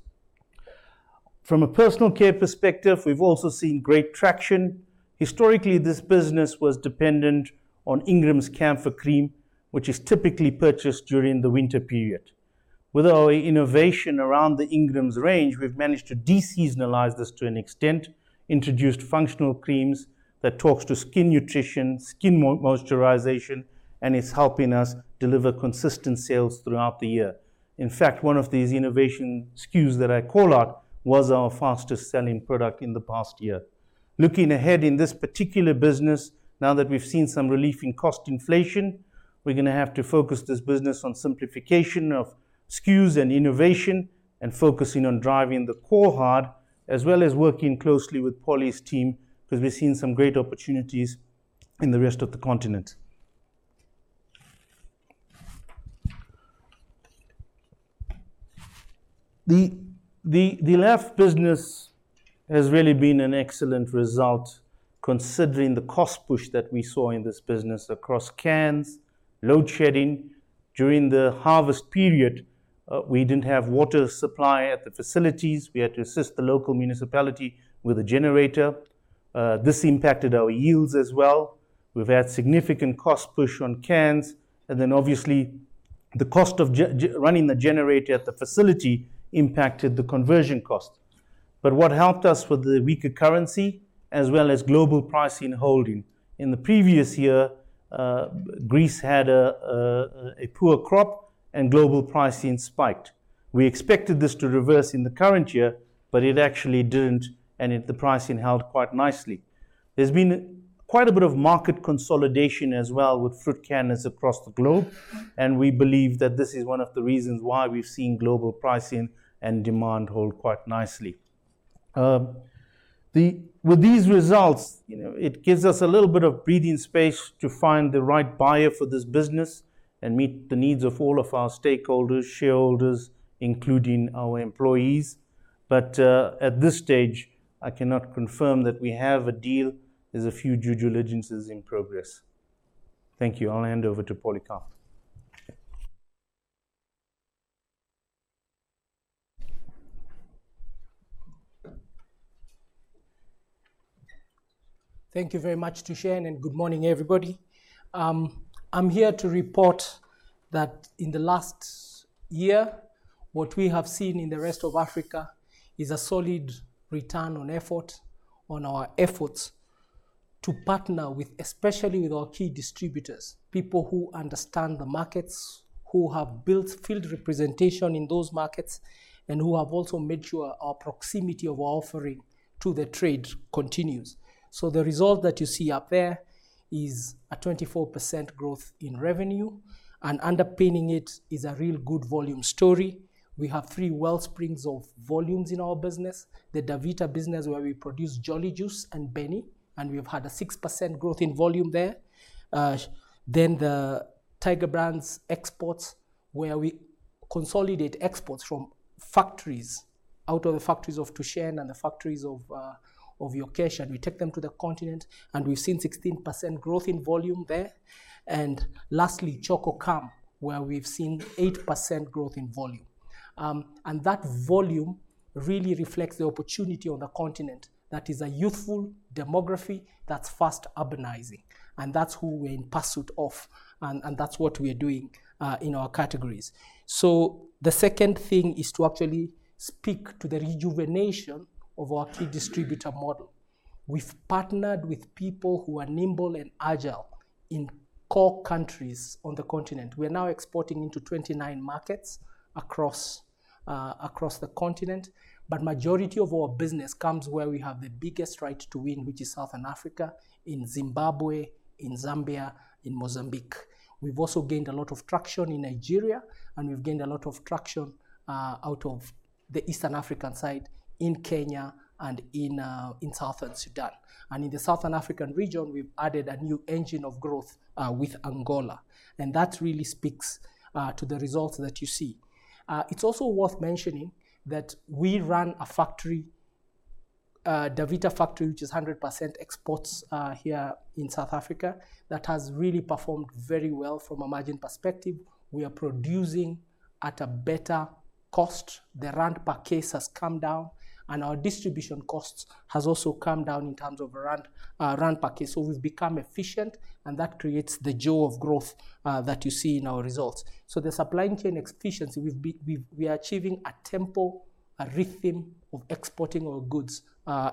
From a personal care perspective, we've also seen great traction. Historically, this business was dependent on Ingram's Camphor Cream, which is typically purchased during the winter period. With our innovation around the Ingram's range, we've managed to de-seasonalize this to an extent, introduced functional creams that talks to skin nutrition, skin moisturization, and it's helping us deliver consistent sales throughout the year. In fact, one of these innovation SKUs that I call out was our fastest-selling product in the past year. Looking ahead in this particular business, now that we've seen some relief in cost inflation, we're going to have to focus this business on simplification of SKUs and innovation, and focusing on driving the core hard, as well as working closely with Paulie's team, 'cause we're seeing some great opportunities in the rest of the continent. The LAF business has really been an excellent result considering the cost push that we saw in this business across cans, load shedding. During the harvest period, we didn't have water supply at the facilities. We had to assist the local municipality with a generator. This impacted our yields as well. We've had significant cost push on cans, and then obviously, the cost of running the generator at the facility impacted the conversion cost. But what helped us with the weaker currency, as well as global pricing holding. In the previous year, Greece had a poor crop and global pricing spiked. We expected this to reverse in the current year, but it actually didn't, and the pricing held quite nicely. There's been quite a bit of market consolidation as well with fruit cans across the globe, and we believe that this is one of the reasons why we've seen global pricing and demand hold quite nicely. With these results, you know, it gives us a little bit of breathing space to find the right buyer for this business and meet the needs of all of our stakeholders, shareholders, including our employees. But at this stage, I cannot confirm that we have a deal. There's a few due diligences in progress. Thank you. I'll hand over to Polycarp. Thank you very much, Thushen, and good morning, everybody. I'm here to report that in the last year, what we have seen in the rest of Africa is a solid return on effort, on our efforts to partner with, especially with our key distributors, people who understand the markets, who have built field representation in those markets, and who have also made sure our proximity of our offering to the trade continues. So the result that you see up there is a 24% growth in revenue, and underpinning it is a real good volume story. We have three wellsprings of volumes in our business. The Davita business, where we produce Jolly Jus and Benny, and we've had a 6% growth in volume there. Then the Tiger Brands exports, where we consolidate exports from factories, out of the factories of Thushen and the factories of Yokesh, and we take them to the continent, and we've seen 16% growth in volume there. Lastly, Chococam, where we've seen 8% growth in volume. That volume really reflects the opportunity on the continent. That is a youthful demography that's fast urbanizing, and that's who we're in pursuit of, and that's what we are doing in our categories. So the second thing is to actually speak to the rejuvenation of our key distributor model. We've partnered with people who are nimble and agile in core countries on the continent. We are now exporting into 29 markets across the continent, but majority of our business comes where we have the biggest right to win, which is Southern Africa, in Zimbabwe, in Zambia, in Mozambique. We've also gained a lot of traction in Nigeria, and we've gained a lot of traction out of the Eastern African side, in Kenya and in South Sudan. In the Southern African region, we've added a new engine of growth with Angola, and that really speaks to the results that you see. It's also worth mentioning that we run a factory, Davita factory, which is 100% exports, here in South Africa. That has really performed very well from a margin perspective. We are producing at a better cost. The rand per case has come down, and our distribution cost has also come down in terms of rand, rand per case. So we've become efficient, and that creates the jaw of growth, that you see in our results. So the supply chain efficiency, we are achieving a tempo, a rhythm of exporting our goods,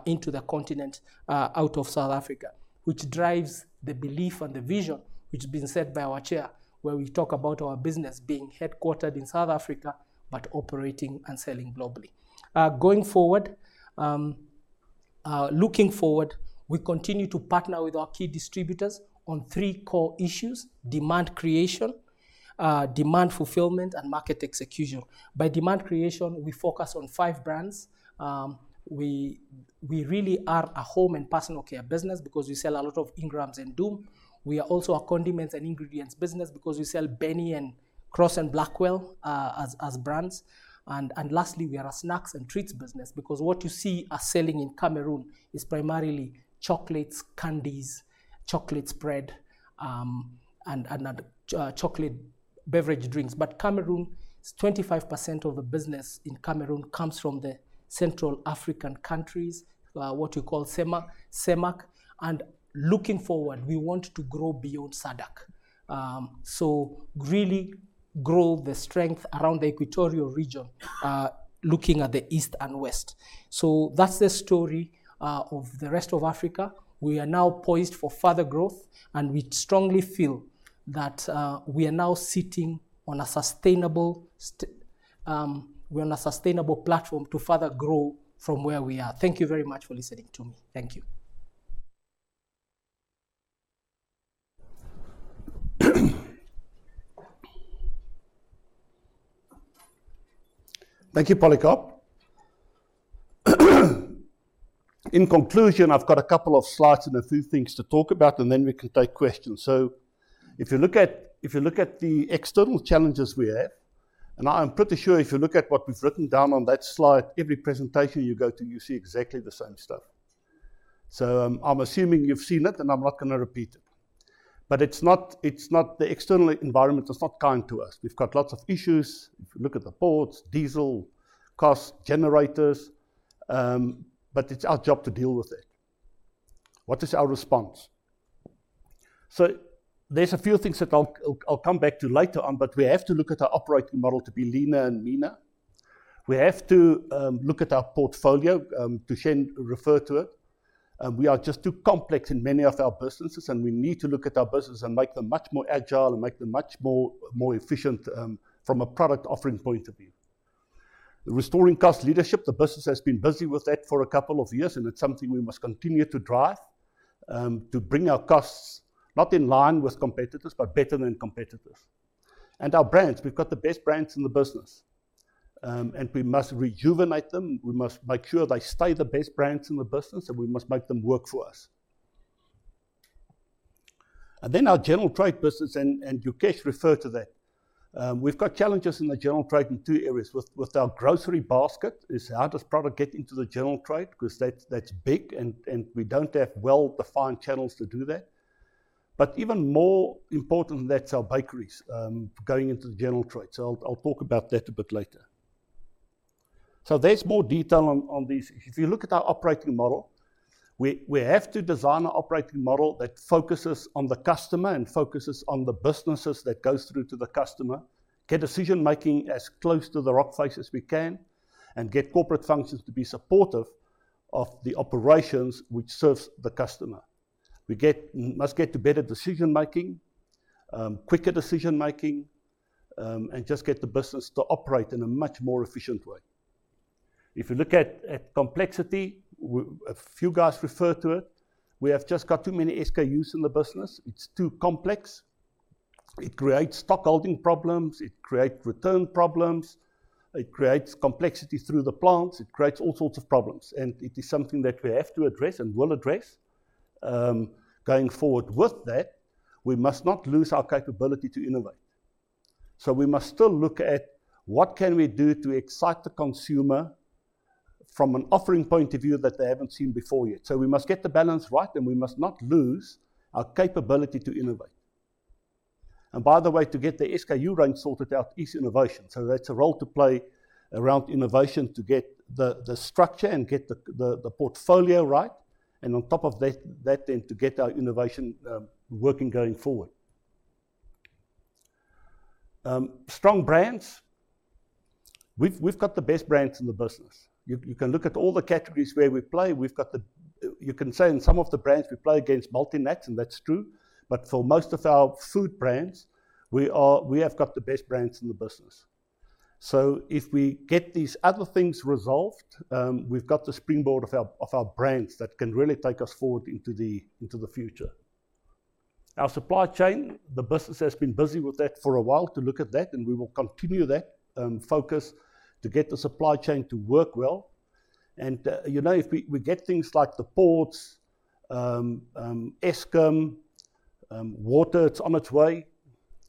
into the continent, out of South Africa, which drives the belief and the vision which has been set by our chair, where we talk about our business being headquartered in South Africa, but operating and selling globally. Going forward, looking forward, we continue to partner with our key distributors on three core issues: demand creation, demand fulfillment, and market execution. By demand creation, we focus on five brands. We, we really are a home and personal care business because we sell a lot of Ingram's and Doom. We are also a condiments and ingredients business because we sell Benny and Crosse & Blackwell, as, as brands. And, and lastly, we are a snacks and treats business because what you see us selling in Cameroon is primarily chocolates, candies, chocolate spread, and, and, chocolate beverage drinks. But Cameroon, 25% of the business in Cameroon comes from the Central African countries, what you call CEMAC. And looking forward, we want to grow beyond SADC. So really grow the strength around the equatorial region, looking at the east and west. So that's the story, of the rest of Africa. We are now poised for further growth, and we strongly feel that, we are now sitting on a sustainable st... We're on a sustainable platform to further grow from where we are. Thank you very much for listening to me. Thank you. Thank you, Polycarp. In conclusion, I've got a couple of slides and a few things to talk about, and then we can take questions. So if you look at the external challenges we have, and I'm pretty sure if you look at what we've written down on that slide, every presentation you go to, you see exactly the same stuff. So, I'm assuming you've seen it, and I'm not gonna repeat it. But it's not... The external environment is not kind to us. We've got lots of issues. If you look at the ports, diesel, cost, generators, but it's our job to deal with it. What is our response? So there's a few things that I'll come back to later on, but we have to look at our operating model to be leaner and meaner. We have to look at our portfolio, Thushen referred to it. We are just too complex in many of our businesses, and we need to look at our businesses and make them much more agile and make them much more efficient from a product offering point of view. Restoring cost leadership, the business has been busy with that for a couple of years, and it's something we must continue to drive to bring our costs not in line with competitors, but better than competitors. Our brands, we've got the best brands in the business, and we must rejuvenate them. We must make sure they stay the best brands in the business, and we must make them work for us. Then our general trade business, and Yokesh referred to that. We've got challenges in the general trade in two areas. With our grocery basket, is how does product get into the general trade? Because that's big, and we don't have well-defined channels to do that. But even more important than that is our bakeries going into the general trade. So I'll talk about that a bit later. So there's more detail on these. If you look at our operating model, we have to design an operating model that focuses on the customer and focuses on the businesses that goes through to the customer, get decision-making as close to the rock face as we can, and get corporate functions to be supportive of the operations which serves the customer. We must get to better decision making, quicker decision making, and just get the business to operate in a much more efficient way. If you look at, at complexity, a few guys referred to it. We have just got too many SKUs in the business. It's too complex. It creates stockholding problems, it creates return problems, it creates complexity through the plants, it creates all sorts of problems, and it is something that we have to address and will address. Going forward with that, we must not lose our capability to innovate. So we must still look at what can we do to excite the consumer from an offering point of view that they haven't seen before yet. So we must get the balance right, and we must not lose our capability to innovate. And by the way, to get the SKU range sorted out is innovation. So that's a role to play around innovation, to get the structure and get the portfolio right, and on top of that, then to get our innovation working going forward. Strong brands. We've got the best brands in the business. You can look at all the categories where we play. We've got the... You can say in some of the brands, we play against multi-nats, and that's true. But for most of our food brands, we have got the best brands in the business. So if we get these other things resolved, we've got the springboard of our brands that can really take us forward into the future. Our supply chain, the business has been busy with that for a while to look at that, and we will continue that, focus to get the supply chain to work well. And, you know, if we, we get things like the ports, Eskom, water, it's on its way,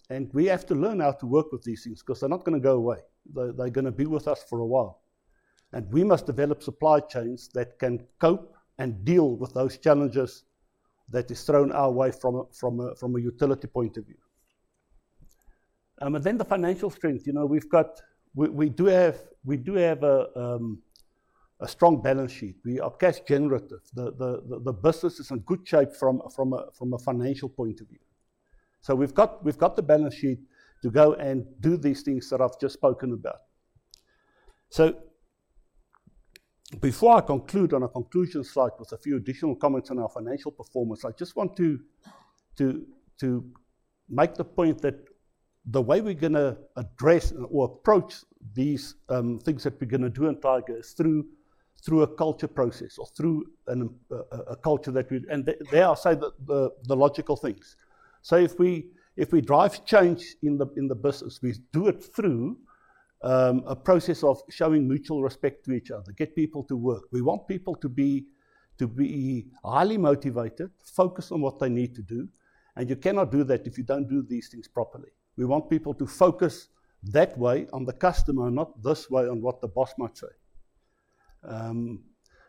and we have to learn how to work with these things because they're not gonna go away. They're gonna be with us for a while. And we must develop supply chains that can cope and deal with those challenges that is thrown our way from a utility point of view. And then the financial strength. You know, we've got, we, we do have, we do have a, a strong balance sheet. We are cash generative. The business is in good shape from a financial point of view. So we've got the balance sheet to go and do these things that I've just spoken about. So before I conclude on a conclusion slide with a few additional comments on our financial performance, I just want to make the point that the way we're gonna address or approach these things that we're gonna do in Tiger is through a culture process or through a culture that we... And they are, say, the logical things. So if we drive change in the business, we do it through a process of showing mutual respect to each other, get people to work. We want people to be highly motivated, focused on what they need to do, and you cannot do that if you don't do these things properly. We want people to focus that way on the customer, not this way, on what the boss might say.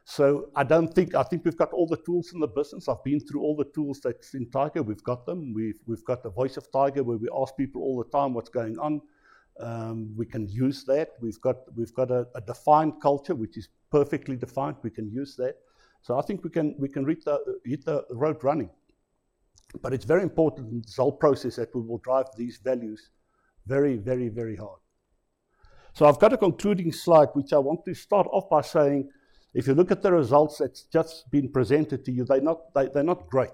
So I don't think, I think we've got all the tools in the business. I've been through all the tools that's in Tiger. We've got them. We've got the voice of Tiger, where we ask people all the time, "What's going on?" We can use that. We've got a defined culture, which is perfectly defined. We can use that. So I think we can hit the road running. But it's very important in this whole process that we will drive these values very, very, very hard. So I've got a concluding slide, which I want to start off by saying, if you look at the results that's just been presented to you, they're not great.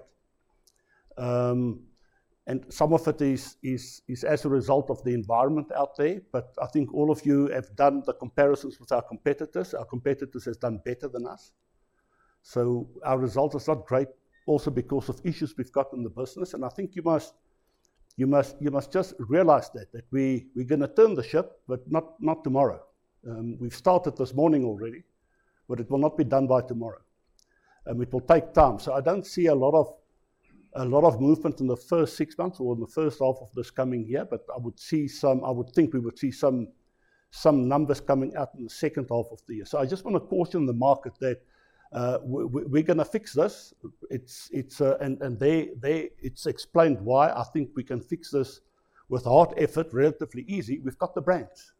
And some of it is as a result of the environment out there, but I think all of you have done the comparisons with our competitors. Our competitors has done better than us. So our result is not great also because of issues we've got in the business. And I think you must just realize that we, we're gonna turn the ship, but not tomorrow. We've started this morning already, but it will not be done by tomorrow, and it will take time. So I don't see a lot of movement in the first six months or in the first half of this coming year, but I would see some—I would think we would see some numbers coming out in the second half of the year. So I just want to caution the market that we're gonna fix this. It's, it's... it's explained why I think we can fix this with hard effort, relatively easy. We've got the brands.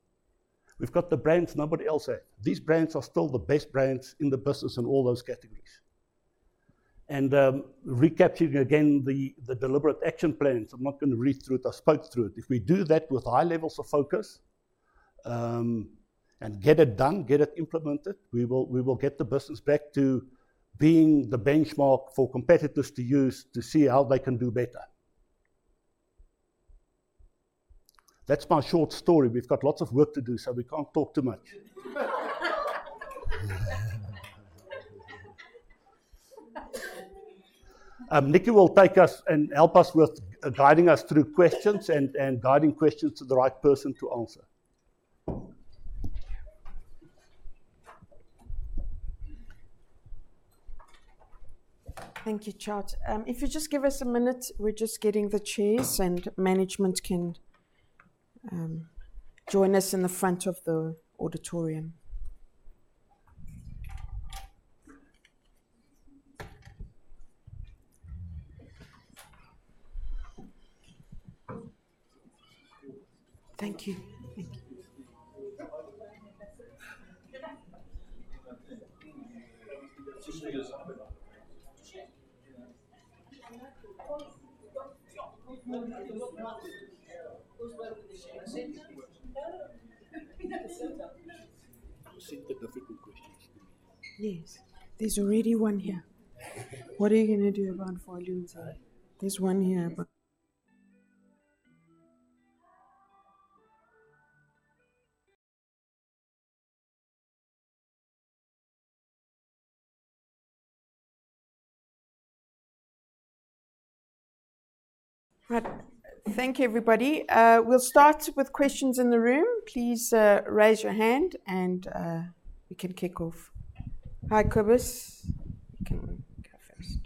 We've got the brands nobody else has. These brands are still the best brands in the business in all those categories. And recapturing again, the deliberate action plans, I'm not gonna read through it, I spoke through it. If we do that with high levels of focus, and get it done, get it implemented, we will, we will get the business back to being the benchmark for competitors to use to see how they can do better. That's my short story. We've got lots of work to do, so we can't talk too much. Nikki will take us and help us with guiding us through questions and guiding questions to the right person to answer. Thank you, Tjaart. If you just give us a minute, we're just getting the chairs, and management can join us in the front of the auditorium. Thank you. Thank you. Just read us some of them. Sure. Yeah. Those were the difficult questions. Yes. There's already one here. What are you gonna do about volumes? There's one here about— Right. Thank you, everybody. We'll start with questions in the room. Please, raise your hand, and we can kick off. Hi, Cobus. You can go first.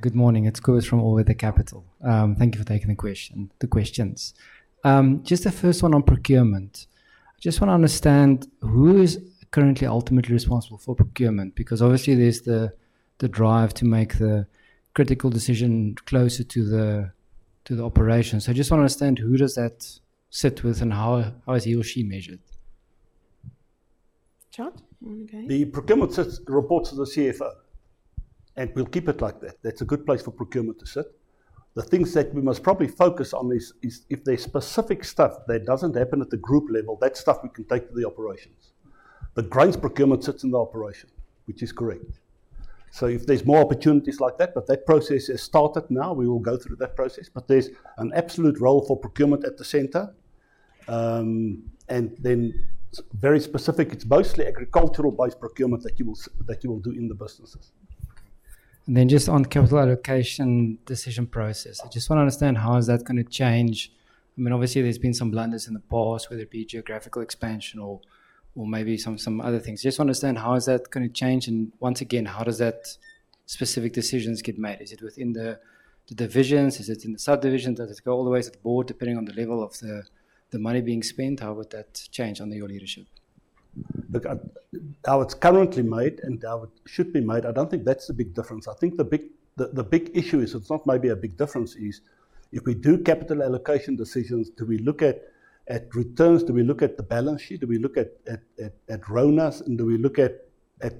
Good morning. It's Cobus from All Weather Capital. Thank you for taking the question, the questions. Just the first one on procurement. Just want to understand, who is currently ultimately responsible for procurement? Because obviously there's the drive to make the critical decision closer to the operations. So I just want to understand, who does that sit with, and how is he or she measured? Tjaart, you want to go ahead? The procurement sits, reports to the CFO, and we'll keep it like that. That's a good place for procurement to sit. The things that we must probably focus on is if there's specific stuff that doesn't happen at the group level, that stuff we can take to the operations. But grains procurement sits in the operation, which is great. So if there's more opportunities like that, but that process has started now, we will go through that process. But there's an absolute role for procurement at the center. And then very specific, it's mostly agricultural-based procurement that you will do in the businesses. Okay. And then just on capital allocation decision process, I just want to understand how is that gonna change? I mean, obviously, there's been some blunders in the past, whether it be geographical expansion or maybe some other things. Just want to understand how is that gonna change, and once again, how does that specific decisions get made? Is it within the divisions? Is it in the subdivisions? Does it go all the way to the board, depending on the level of the money being spent? How would that change under your leadership? Look, how it's currently made and how it should be made, I don't think that's the big difference. I think the big issue is it's not maybe a big difference, is if we do capital allocation decisions, do we look at returns? Do we look at the balance sheet? Do we look at RONAs, and do we look at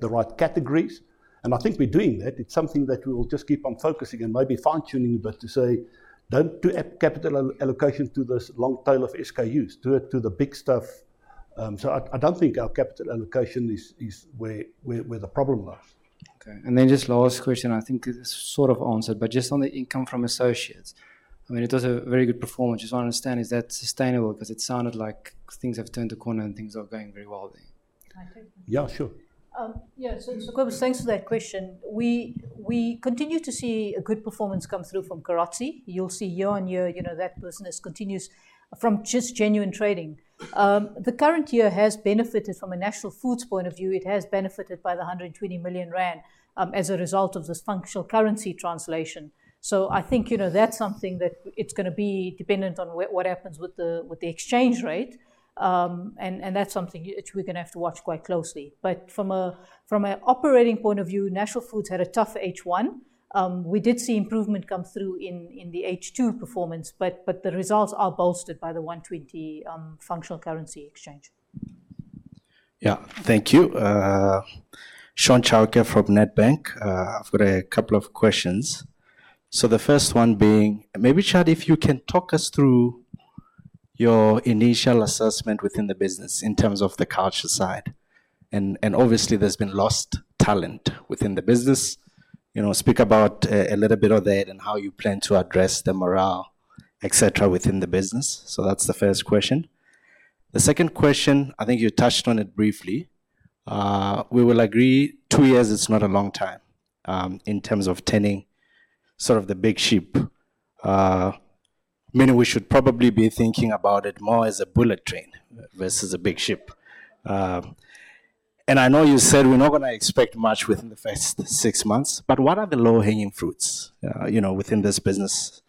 the right categories? And I think we're doing that. It's something that we will just keep on focusing and maybe fine-tuning, but to say, "Don't do a capital allocation to this long tail of SKUs. Do it to the big stuff." So I don't think our capital allocation is where the problem lies. Okay. Then just last question, I think it's sort of answered, but just on the income from associates, I mean, it does a very good performance. Just want to understand, is that sustainable? Because it sounded like things have turned a corner and things are going very well there. I think- Yeah, sure. Yeah, so, so Cobus, thanks for that question. We, we continue to see a good performance come through from National. You'll see year-on-year, you know, that business continues from just genuine trading. The current year has benefited from a National Foods point of view. It has benefited by 120 million rand, as a result of this functional currency translation. So I think, you know, that's something that it's gonna be dependent on what, what happens with the, with the exchange rate. And, and that's something which we're gonna have to watch quite closely. But from a, from an operating point of view, National Foods had a tough H1. We did see improvement come through in, in the H2 performance, but, but the results are bolstered by the 120, functional currency exchange. Yeah. Thank you. Shaun Chauke from Nedbank. I've got a couple of questions. So the first one being... Maybe, Tjaart, if you can talk us through your initial assessment within the business in terms of the culture side. And obviously there's been lost talent within the business. You know, speak about a little bit of that and how you plan to address the morale, et cetera, within the business. So that's the first question. The second question, I think you touched on it briefly. We will agree two years is not a long time in terms of turning sort of the big ship. Meaning we should probably be thinking about it more as a bullet train versus a big ship. And I know you said we're not going to expect much within the first six months, but what are the low-hanging fruits, you know, within this business?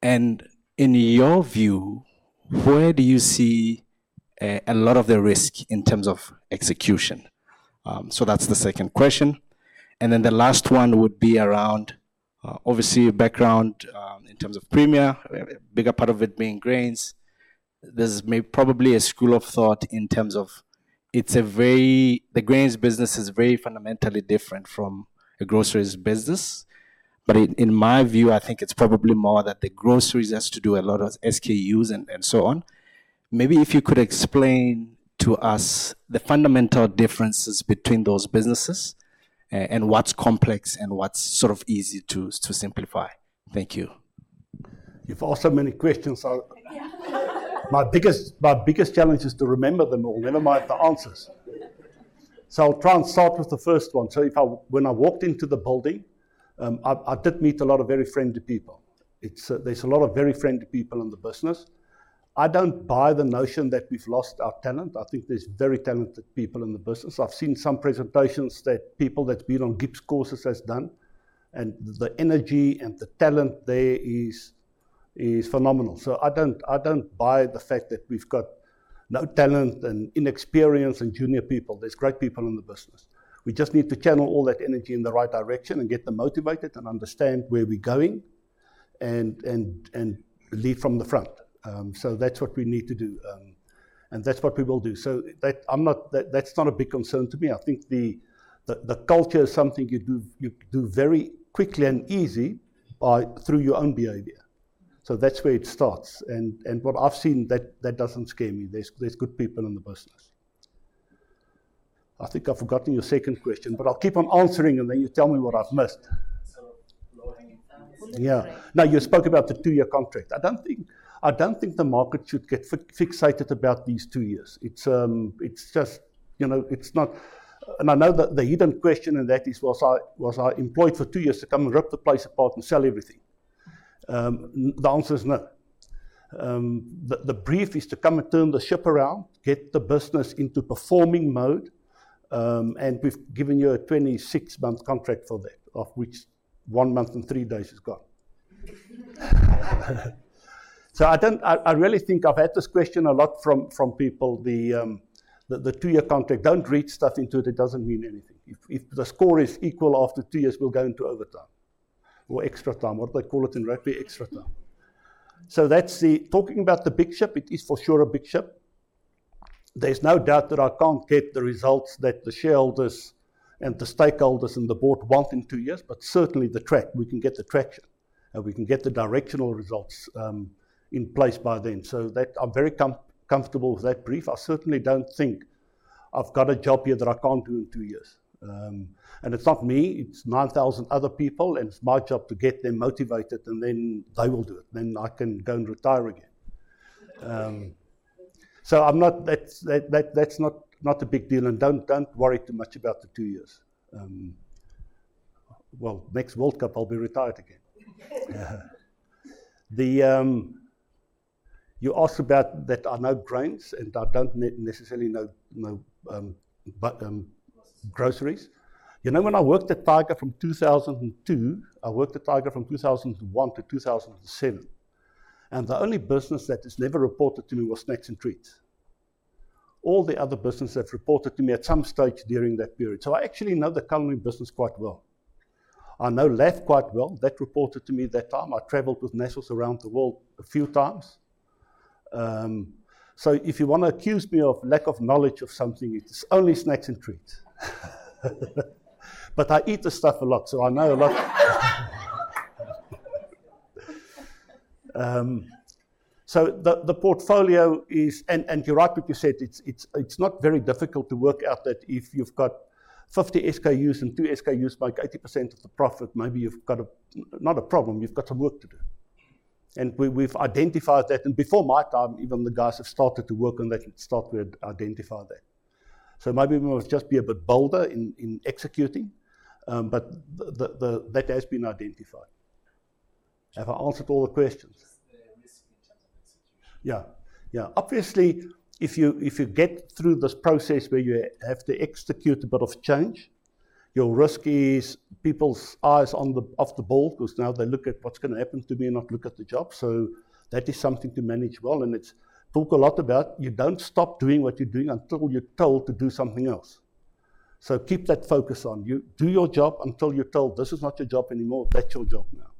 And in your view, where do you see a lot of the risk in terms of execution? So that's the second question. And then the last one would be around, obviously, your background, in terms of Premier, a bigger part of it being grains. There's probably a school of thought in terms of it's a very the grains business is very fundamentally different from a groceries business. But in my view, I think it's probably more that the groceries has to do a lot of SKUs and so on. Maybe if you could explain to us the fundamental differences between those businesses, and what's complex and what's sort of easy to simplify. Thank you. You've asked so many questions, so- Yeah.... My biggest, my biggest challenge is to remember them all, never mind the answers. So I'll try and start with the first one. So if I, when I walked into the building, I did meet a lot of very friendly people. It's, there's a lot of very friendly people in the business. I don't buy the notion that we've lost our talent. I think there's very talented people in the business. I've seen some presentations that people that's been on GIBS courses has done, and the energy and the talent there is, is phenomenal. So I don't, I don't buy the fact that we've got no talent and inexperience and junior people. There's great people in the business. We just need to channel all that energy in the right direction and get them motivated and understand where we're going and, and, and lead from the front. So that's what we need to do, and that's what we will do. So that's not a big concern to me. I think the culture is something you do very quickly and easy by through your own behavior. So that's where it starts, and what I've seen, that doesn't scare me. There's good people in the business. I think I've forgotten your second question, but I'll keep on answering, and then you tell me what I've missed. [inaudible] Yeah. Now, you spoke about the two-year contract. I don't think, I don't think the market should get fixated about these two years. It's just, you know, it's not... And I know that the hidden question in that is, was I, was I employed for two years to come and rip the place apart and sell everything? The answer is no. The brief is to come and turn the ship around, get the business into performing mode, and we've given you a 26-month contract for that, of which one month and three days is gone. So I don't... I really think I've had this question a lot from people, the two-year contract. Don't read stuff into it. It doesn't mean anything. If the score is equal after two years, we'll go into overtime or extra time. What do they call it in rugby? Extra time. That's the... Talking about the big ship, it is for sure a big ship. There's no doubt that I can't get the results that the shareholders and the stakeholders and the board want in two years, but certainly we can get the traction, and we can get the directional results in place by then. So that, I'm very comfortable with that brief. I certainly don't think I've got a job here that I can't do in two years. And it's not me, it's 9,000 other people, and it's my job to get them motivated, and then they will do it. Then I can go and retire again. So I'm not. That's not a big deal, and don't worry too much about the twoyears. Well, next World Cup, I'll be retired again. You asked about that, I know, grains, and I don't necessarily know, but, Groceries. Groceries. You know, when I worked at Tiger from 2002, I worked at Tiger from 2001 to 2007, and the only business that has never reported to me was snacks and treats. All the other businesses have reported to me at some stage during that period. So I actually know the culinary business quite well. I know LAF quite well. That reported to me that time. I traveled with Nestlé around the world a few times. So if you want to accuse me of lack of knowledge of something, it's only snacks and treats. But I eat the stuff a lot, so I know a lot. So the portfolio is... You're right, what you said. It's not very difficult to work out that if you've got 50 SKUs and 2 SKUs make 80% of the profit, maybe you've got, not a problem, you've got some work to do. We've identified that. Before my time even, the guys have started to work on that and started to identify that. So maybe we must just be a bit bolder in executing, but that has been identified. Have I answered all the questions? Just the risk in terms of execution. Yeah. Yeah. Obviously, if you, if you get through this process where you have to execute a bit of change, your risk is people's eyes on the, off the ball, because now they look at what's going to happen to me and not look at the job. So that is something to manage well, and it's talked a lot about. You don't stop doing what you're doing until you're told to do something else. So keep that focus on you. Do your job until you're told, "This is not your job anymore. That's your job now."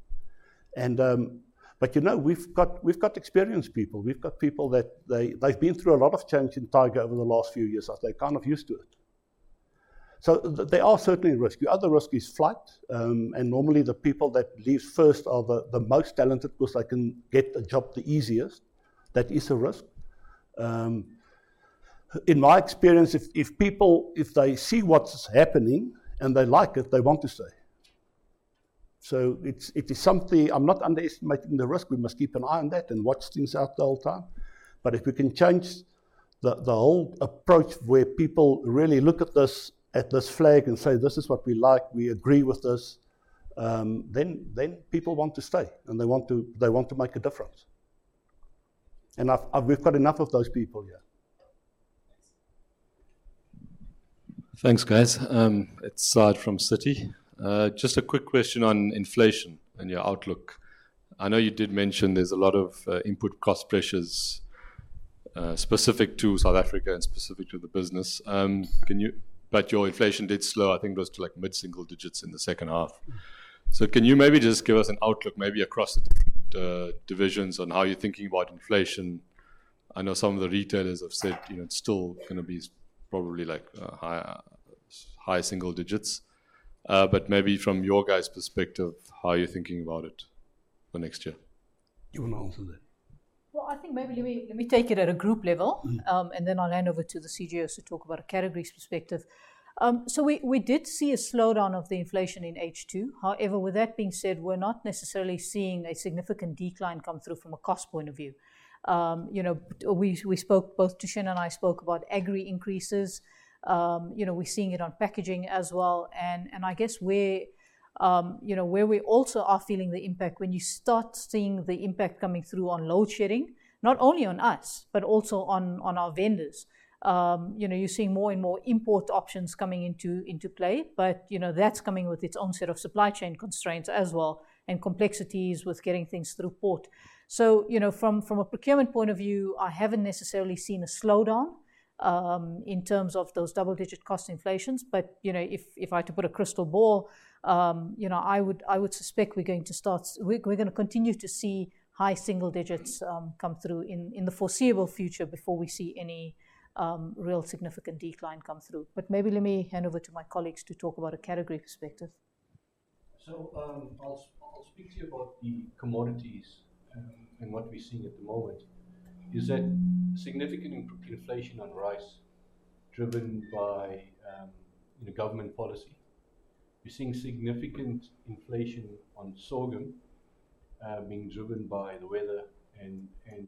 And, but you know, we've got, we've got experienced people. We've got people that they, they've been through a lot of change in Tiger over the last few years, so they're kind of used to it. So there are certainly risk. The other risk is flight, and normally, the people that leave first are the most talented because they can get a job the easiest. That is a risk. In my experience, if people see what's happening and they like it, they want to stay. So it's something. I'm not underestimating the risk. We must keep an eye on that and watch things out the whole time. But if we can change the whole approach, where people really look at this flag and say, "This is what we like, we agree with this," then people want to stay, and they want to make a difference. And we've got enough of those people here. Thanks, guys. It's Saad from Citi. Just a quick question on inflation and your outlook. I know you did mention there's a lot of input cost pressures specific to South Africa and specific to the business. Can you... But your inflation did slow. I think it was to, like, mid-single digits in the second half. So can you maybe just give us an outlook, maybe across the different divisions, on how you're thinking about inflation? I know some of the retailers have said, you know, it's still gonna be probably, like, high single digits. But maybe from your guys' perspective, how are you thinking about it for next year? Do you wanna answer that? Well, I think maybe let me, let me take it at a group level- Mm. And then I'll hand over to the CGOs to talk about a categories perspective. So we did see a slowdown of the inflation in H2. However, with that being said, we're not necessarily seeing a significant decline come through from a cost point of view. You know, we spoke, both Thishan and I spoke about agri increases. You know, we're seeing it on packaging as well. And I guess where you know, where we also are feeling the impact, when you start seeing the impact coming through on load shedding, not only on us but also on our vendors. You know, you're seeing more and more import options coming into play, but you know, that's coming with its own set of supply chain constraints as well, and complexities with getting things through port. So, you know, from a procurement point of view, I haven't necessarily seen a slowdown in terms of those double-digit cost inflations. But, you know, if I had to put a crystal ball, you know, I would suspect we're going to start... We're gonna continue to see high single digits come through in the foreseeable future before we see any real significant decline come through. But maybe let me hand over to my colleagues to talk about a category perspective. So, I'll speak to you about the commodities, and what we're seeing at the moment is that significant inflation on rice, driven by the government policy. We're seeing significant inflation on sorghum, being driven by the weather. And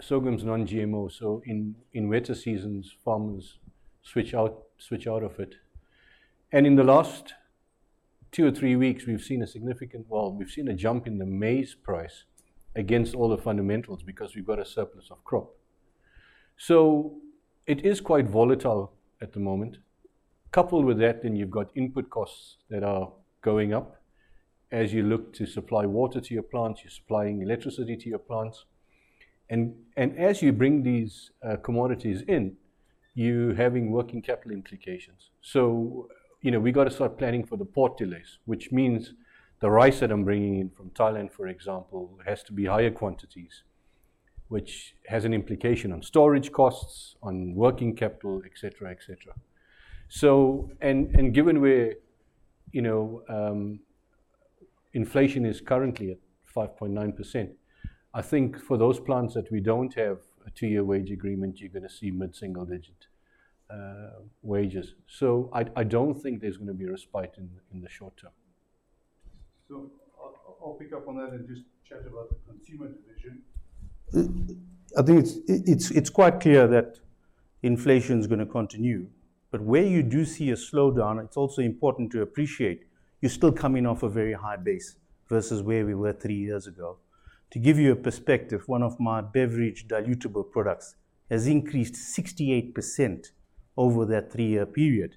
sorghum is non-GMO, so in wetter seasons, farmers switch out of it. And in the last two or three weeks, we've seen a significant. Well, we've seen a jump in the maize price against all the fundamentals because we've got a surplus of crop. So it is quite volatile at the moment. Coupled with that, you've got input costs that are going up. As you look to supply water to your plants, you're supplying electricity to your plants. And as you bring these commodities in, you're having working capital implications. So, you know, we've got to start planning for the port delays, which means the rice that I'm bringing in from Thailand, for example, has to be higher quantities, which has an implication on storage costs, on working capital, et cetera, et cetera. So, and, and given we're, you know, inflation is currently at 5.9%, I think for those plants that we don't have a two-year wage agreement, you're gonna see mid-single-digit wages. So I, I don't think there's gonna be a respite in, in the short term. So I'll pick up on that and just chat about the consumer division. I think it's quite clear that inflation is gonna continue. But where you do see a slowdown, it's also important to appreciate you're still coming off a very high base versus where we were three years ago. To give you a perspective, one of my beverage dilutable products has increased 68% over that three-year period.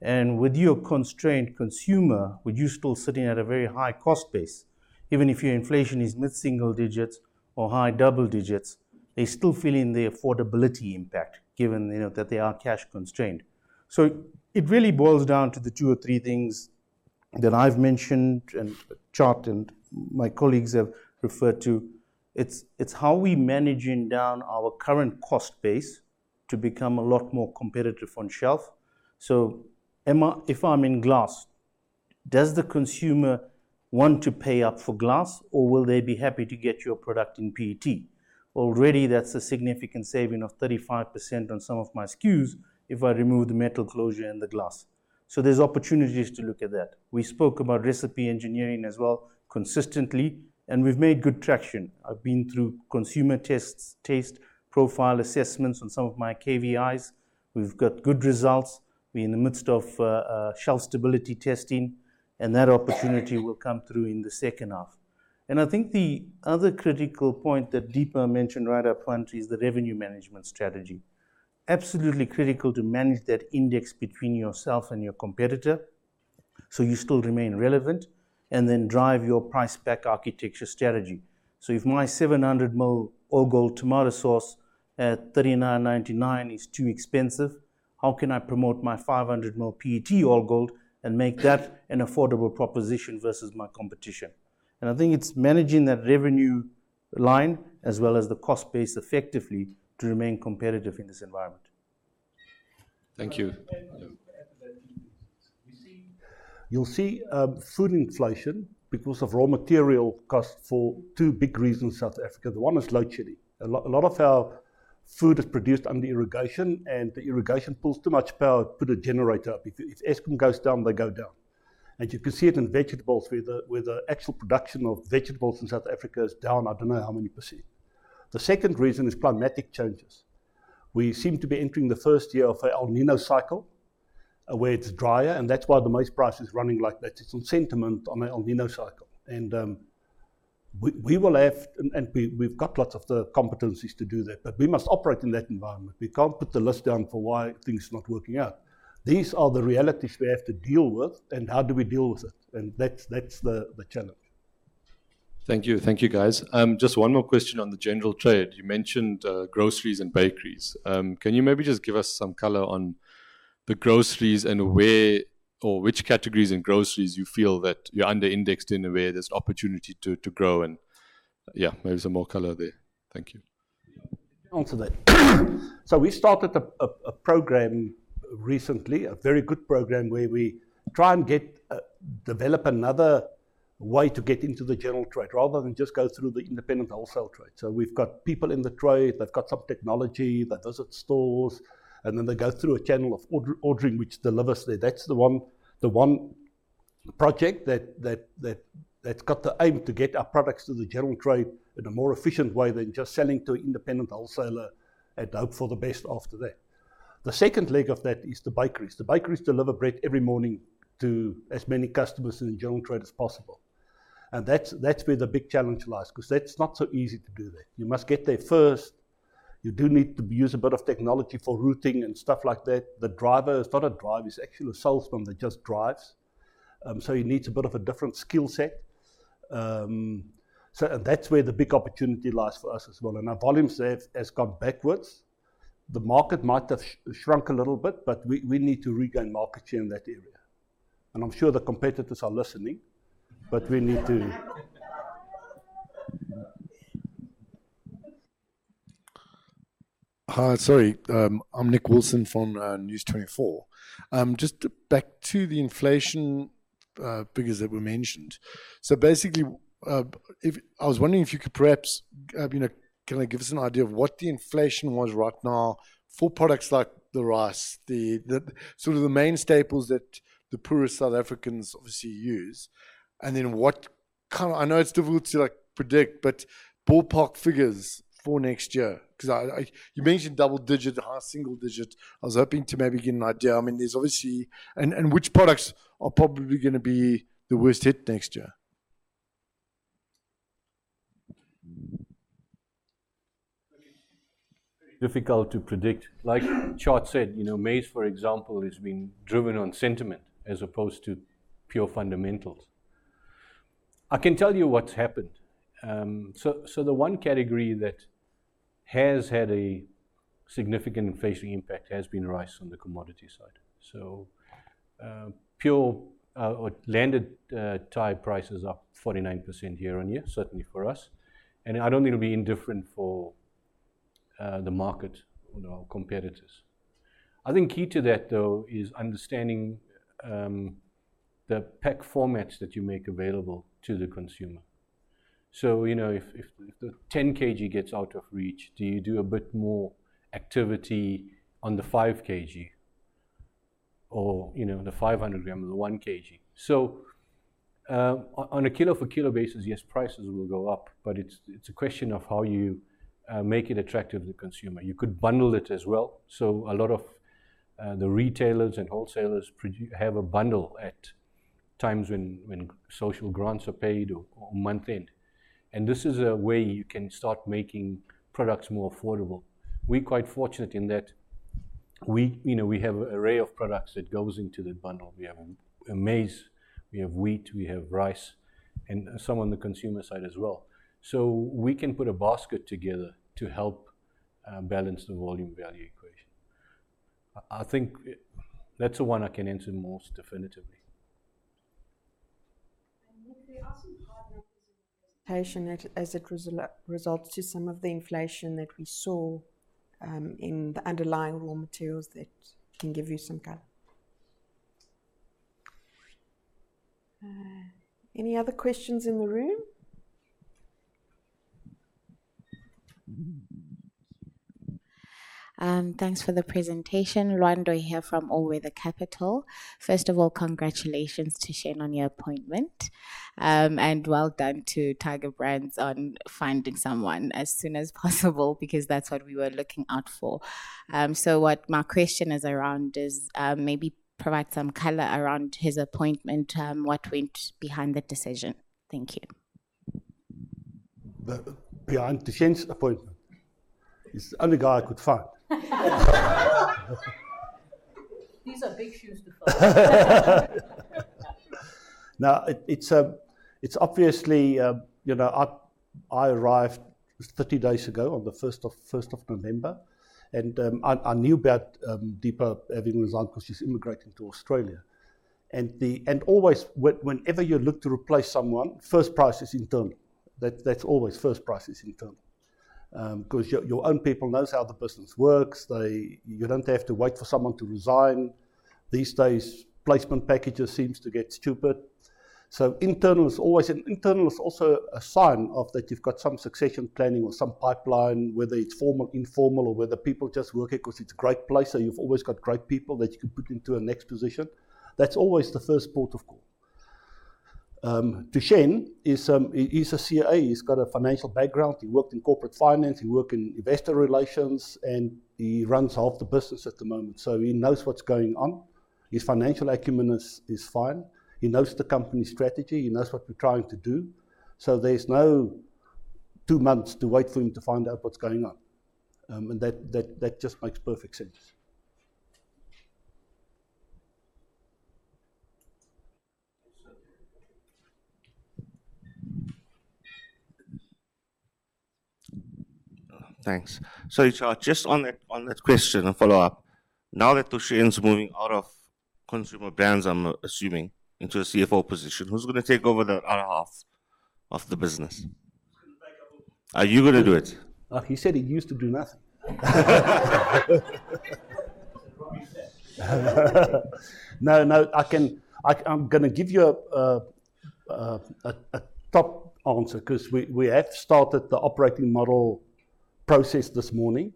And with your constrained consumer, with you still sitting at a very high cost base, even if your inflation is mid-single digits or high double digits, they're still feeling the affordability impact, given, you know, that they are cash constrained. So it really boils down to the two or three things that I've mentioned and charted, my colleagues have referred to. It's how we're managing down our current cost base to become a lot more competitive on shelf. So if I'm in glass, does the consumer want to pay up for glass, or will they be happy to get your product in PET? Already, that's a significant saving of 35% on some of my SKUs if I remove the metal closure and the glass. So there's opportunities to look at that. We spoke about recipe engineering as well, consistently, and we've made good traction. I've been through consumer tests, taste profile assessments on some of my KVIs. We've got good results. We're in the midst of shelf stability testing, and that opportunity will come through in the second half. And I think the other critical point that Deepa mentioned right up front is the revenue management strategy. Absolutely critical to manage that index between yourself and your competitor, so you still remain relevant, and then drive your price back architecture strategy. So if my 700 ml All Gold tomato sauce at 39.99 is too expensive, how can I promote my 500 ml PET All Gold and make that an affordable proposition versus my competition? And I think it's managing that revenue line, as well as the cost base effectively, to remain competitive in this environment. Thank you. You'll see food inflation because of raw material costs for two big reasons in South Africa. The one is load shedding. A lot, a lot of our food is produced under irrigation, and the irrigation pulls too much power to put a generator up. If Eskom goes down, they go down. And you can see it in vegetables, where the actual production of vegetables in South Africa is down, I don't know how many %. The second reason is climatic changes. We seem to be entering the first year of an El Niño cycle, where it's drier, and that's why the maize price is running like that. It's on sentiment on an El Niño cycle. And we will have, and we've got lots of the competencies to do that, but we must operate in that environment. We can't put the list down for why things are not working out. These are the realities we have to deal with, and how do we deal with it? And that's the challenge. Thank you. Thank you, guys. Just one more question on the general trade. You mentioned groceries and bakeries. Can you maybe just give us some color on the groceries and where or which categories in groceries you feel that you're under-indexed, in a way there's opportunity to grow and, yeah, maybe some more color there? Thank you. I'll answer that. So we started a program recently, a very good program, where we try and develop another way to get into the general trade, rather than just go through the independent wholesale trade. So we've got people in the trade, they've got some technology that visits stores, and then they go through a channel of ordering, which delivers there. That's the one project that's got the aim to get our products to the general trade in a more efficient way than just selling to an independent wholesaler and hope for the best after that. The second leg of that is the bakeries. The bakeries deliver bread every morning to as many customers in the general trade as possible, and that's where the big challenge lies, because that's not so easy to do that. You must get there first. You do need to use a bit of technology for routing and stuff like that. The driver is not a driver, he's actually a salesman that just drives. So he needs a bit of a different skill set. And that's where the big opportunity lies for us as well. And our volumes there has gone backwards. The market might have shrunk a little bit, but we need to regain market share in that area. And I'm sure the competitors are listening, but we need to- Hi. Sorry. I'm Nick Wilson from News24. Just back to the inflation figures that were mentioned. So basically, I was wondering if you could perhaps, you know, kind of give us an idea of what the inflation was right now for products like the rice, the sort of the main staples that the poorest South Africans obviously use, and then what kind of... I know it's difficult to, like, predict, but ballpark figures for next year. Because I, you mentioned double digit, half single digit. I was hoping to maybe get an idea. I mean, there's obviously... and which products are probably gonna be the worst hit next year? Very difficult to predict. Like Tjaart said, you know, maize, for example, has been driven on sentiment as opposed to pure fundamentals. I can tell you what's happened. So the one category that has had a significant inflationary impact has been rice on the commodity side. So pure or landed Thai price is up 49% year-on-year, certainly for us, and I don't think it'll be any different for the market or our competitors. I think key to that, though, is understanding the pack formats that you make available to the consumer. So, you know, if the 10 kg gets out of reach, do you do a bit more activity on the 5 kg or, you know, the 500 g or the 1 kg? So, on a kilo-for-kilo basis, yes, prices will go up, but it's a question of how you make it attractive to the consumer. You could bundle it as well. So a lot of the retailers and wholesalers have a bundle at times when social grants are paid or month-end. And this is a way you can start making products more affordable. We're quite fortunate in that we, you know, we have an array of products that goes into the bundle. We have a maize, we have wheat, we have rice, and some on the consumer side as well. So we can put a basket together to help balance the volume-value equation. I think that's the one I can answer the most definitively. There are some hard numbers in the presentation as a result to some of the inflation that we saw in the underlying raw materials that can give you some color. Any other questions in the room? Thanks for the presentation. Lwando here from All Weather Capital. First of all, congratulations to Thushen on your appointment, and well done to Tiger Brands on finding someone as soon as possible, because that's what we were looking out for. So what my question is around is, maybe provide some color around his appointment. What went behind that decision? Thank you. behind the Thushen appointment? He's the only guy I could find. These are big shoes to fill. Now, it's obviously, you know, I arrived 30 days ago, on the first of November, and I knew about Deepa having her eye because she's immigrating to Australia. And always, whenever you look to replace someone, first priority is internally. That's always first priority is internally, because your own people knows how the business works. You don't have to wait for someone to resign. These days, placement packages seems to get stupid. So internal is always internal is also a sign of that you've got some succession planning or some pipeline, whether it's formal, informal, or whether people just work here because it's a great place, so you've always got great people that you can put into a next position. That's always the first port of call. Dushyant is, he, he's a CA. He's got a financial background. He worked in corporate finance, he worked in investor relations, and he runs half the business at the moment, so he knows what's going on. His financial acumen is fine. He knows the company strategy, he knows what we're trying to do, so there's no two months to wait for him to find out what's going on. And that just makes perfect sense. Thanks. So you were just on that, on that question, a follow-up. Now that Thushen's moving out of Consumer Brands, I'm assuming, into a CFO position, who's gonna take over the other half of the business? He's gonna take over. Are you gonna do it? He said he used to do nothing. What he said. No, no, I can—I, I'm gonna give you a top answer, because we have started the operating model process this morning,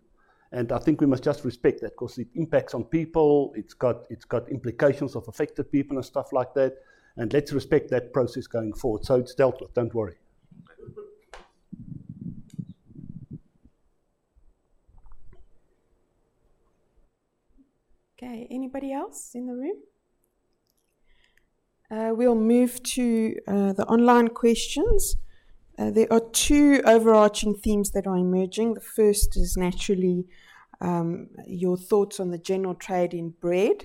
and I think we must just respect that because it impacts on people, it's got implications of affected people and stuff like that, and let's respect that process going forward. So it's dealt with. Don't worry. Okay, anybody else in the room? We'll move to the online questions. There are two overarching themes that are emerging. The first is naturally your thoughts on the general trade in bread,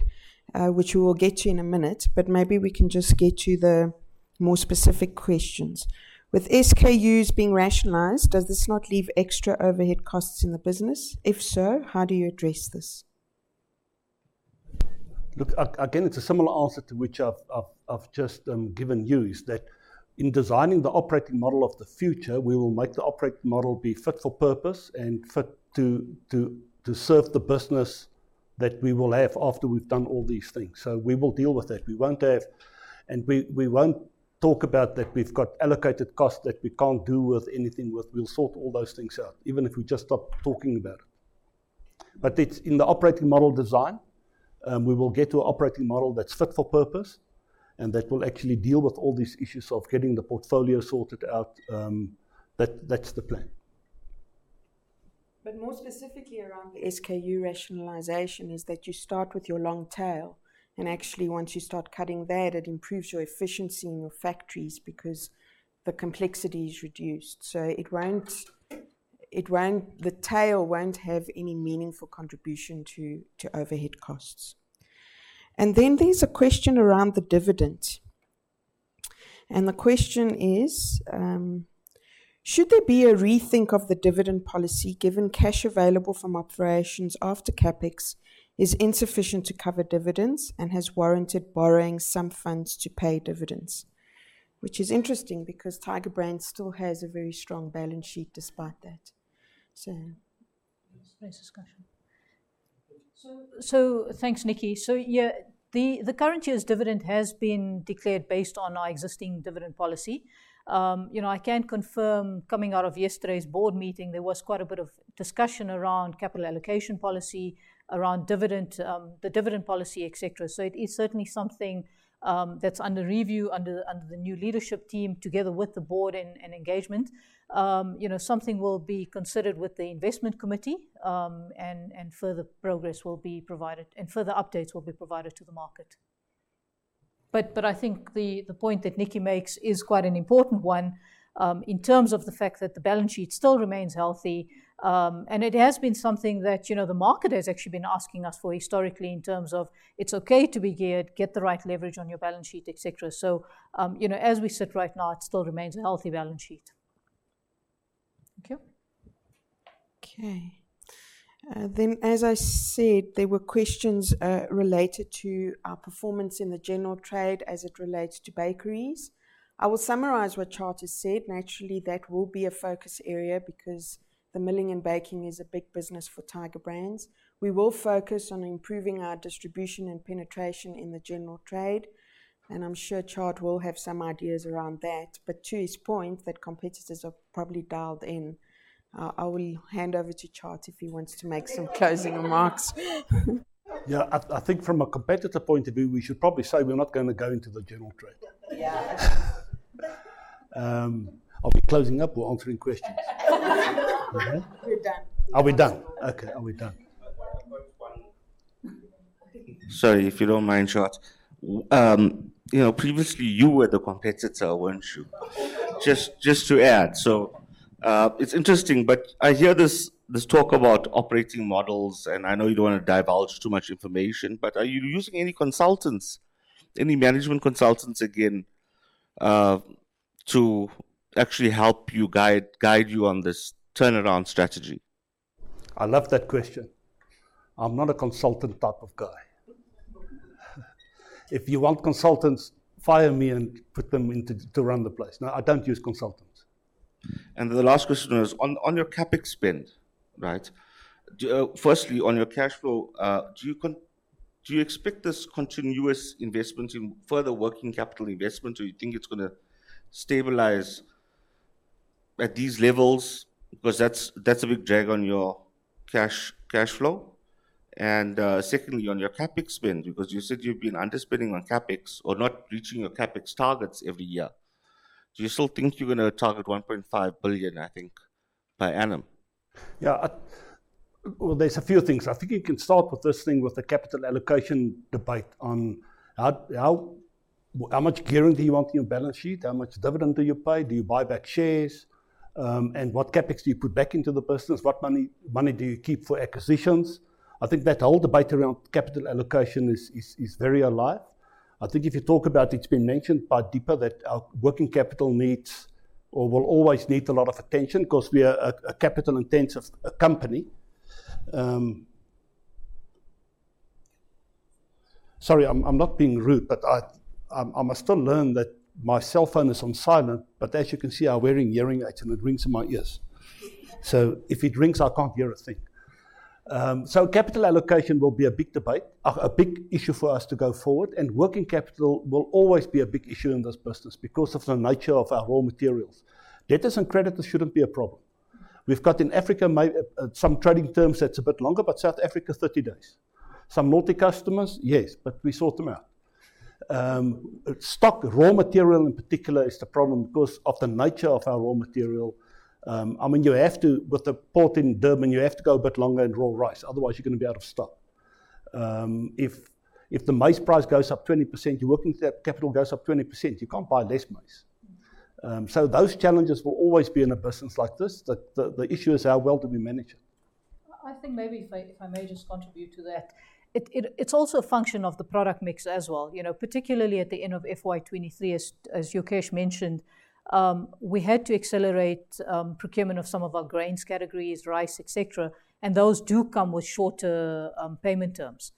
which we will get to in a minute, but maybe we can just get to the more specific questions. With SKUs being rationalized, does this not leave extra overhead costs in the business? If so, how do you address this? Look, again, it's a similar answer to which I've just given you, is that in designing the operating model of the future, we will make the operating model be fit for purpose and fit to serve the business that we will have after we've done all these things. So we will deal with that. We won't have... And we won't talk about that we've got allocated costs that we can't do anything with. We'll sort all those things out, even if we just stop talking about it. But it's in the operating model design, we will get to an operating model that's fit for purpose, and that will actually deal with all these issues of getting the portfolio sorted out. That, that's the plan. But more specifically around the SKU rationalization is that you start with your long tail, and actually, once you start cutting that, it improves your efficiency in your factories because the complexity is reduced. So it won't, the tail won't have any meaningful contribution to overhead costs. And then there's a question around the dividend. And the question is: Should there be a rethink of the dividend policy, given cash available from operations after CapEx is insufficient to cover dividends and has warranted borrowing some funds to pay dividends? Which is interesting because Tiger Brands still has a very strong balance sheet despite that. So let's face discussion. So thanks, Nikki. So, yeah, the current year's dividend has been declared based on our existing dividend policy. You know, I can confirm, coming out of yesterday's board meeting, there was quite a bit of discussion around capital allocation policy, around dividend, the dividend policy, et cetera. So it is certainly something that's under review under the new leadership team, together with the board and engagement. You know, something will be considered with the investment committee, and further progress will be provided, and further updates will be provided to the market. But I think the point that Nikki makes is quite an important one, in terms of the fact that the balance sheet still remains healthy. It has been something that, you know, the market has actually been asking us for historically in terms of it's okay to be geared, get the right leverage on your balance sheet, et cetera. So, you know, as we sit right now, it still remains a healthy balance sheet. Thank you. Okay. Then, as I said, there were questions related to our performance in the general trade as it relates to bakeries. I will summarize what Tjaart has said. Naturally, that will be a focus area because the milling and baking is a big business for Tiger Brands. We will focus on improving our distribution and penetration in the general trade, and I'm sure Tjaart will have some ideas around that. But to his point, that competitors have probably dialed in. I will hand over to Tjaart if he wants to make some closing remarks. Yeah, I, I think from a competitor point of view, we should probably say we're not gonna be going into the general trade. Yeah. Are we closing up or answering questions? We're done. Are we done? Okay, are we done? I've got one more. Sorry, if you don't mind, Tjaart. You know, previously you were the competitor, weren't you? Just, just to add. So, it's interesting, but I hear this, this talk about operating models, and I know you don't want to divulge too much information, but are you using any consultants, any management consultants again, to actually help you guide, guide you on this turnaround strategy? I love that question. I'm not a consultant type of guy. If you want consultants, fire me and put them in to run the place. No, I don't use consultants. And the last question is, on your CapEx spend, right? Do you firstly, on your cash flow, do you expect this continuous investment in further working capital investment, or you think it's gonna stabilize at these levels? Because that's a big drag on your cash flow. And secondly, on your CapEx spend, because you said you've been underspending on CapEx or not reaching your CapEx targets every year. Do you still think you're gonna target $1.5 billion, I think, per annum? Yeah, well, there's a few things. I think you can start with this thing with the capital allocation debate on how much gearing do you want in your balance sheet? How much dividend do you pay? Do you buy back shares? And what CapEx do you put back into the business? What money do you keep for acquisitions? I think that whole debate around capital allocation is very alive. I think if you talk about, it's been mentioned by Deepa, that our working capital needs or will always need a lot of attention, because we are a capital-intensive company. Sorry, I'm not being rude, but I must learn that my cellphone is on silent, but as you can see, I'm wearing hearing aids, and it rings in my ears. So if it rings, I can't hear a thing. Capital allocation will be a big debate, a big issue for us to go forward, and working capital will always be a big issue in this business because of the nature of our raw materials. Debtors and creditors shouldn't be a problem. We've got in Africa some trading terms that's a bit longer, but South Africa, 30 days. Some multi customers, yes, but we sort them out. Stock, raw material in particular, is the problem because of the nature of our raw material. I mean, you have to, with the port in Durban, you have to go a bit longer in raw rice, otherwise you're gonna be out of stock. If the maize price goes up 20%, your working capital goes up 20%. You can't buy less maize. So those challenges will always be in a business like this. The issue is how well do we manage it? I think maybe if I, if I may just contribute to that. It's also a function of the product mix as well. You know, particularly at the end of FY 2023, as Yokesh mentioned, we had to accelerate procurement of some of our grains categories, rice, et cetera, and those do come with shorter payment terms.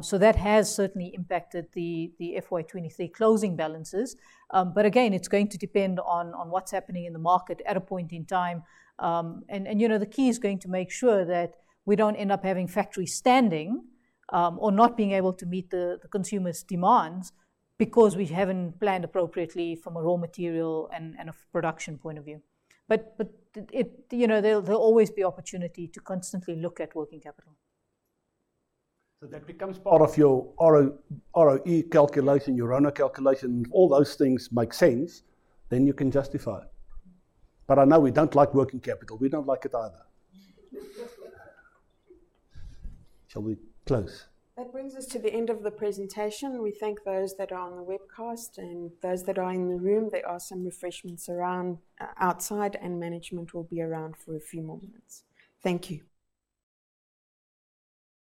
So that has certainly impacted the FY 2023 closing balances. But again, it's going to depend on what's happening in the market at a point in time. And you know, the key is going to make sure that we don't end up having factories standing or not being able to meet the consumers' demands because we haven't planned appropriately from a raw material and a production point of view. But it... You know, there'll always be opportunity to constantly look at working capital. So that becomes part of your RO, ROE calculation, your RONA calculation. If all those things make sense, then you can justify it. But I know we don't like working capital. We don't like it either. Shall we close? That brings us to the end of the presentation. We thank those that are on the webcast and those that are in the room. There are some refreshments around outside, and management will be around for a few more minutes. Thank you.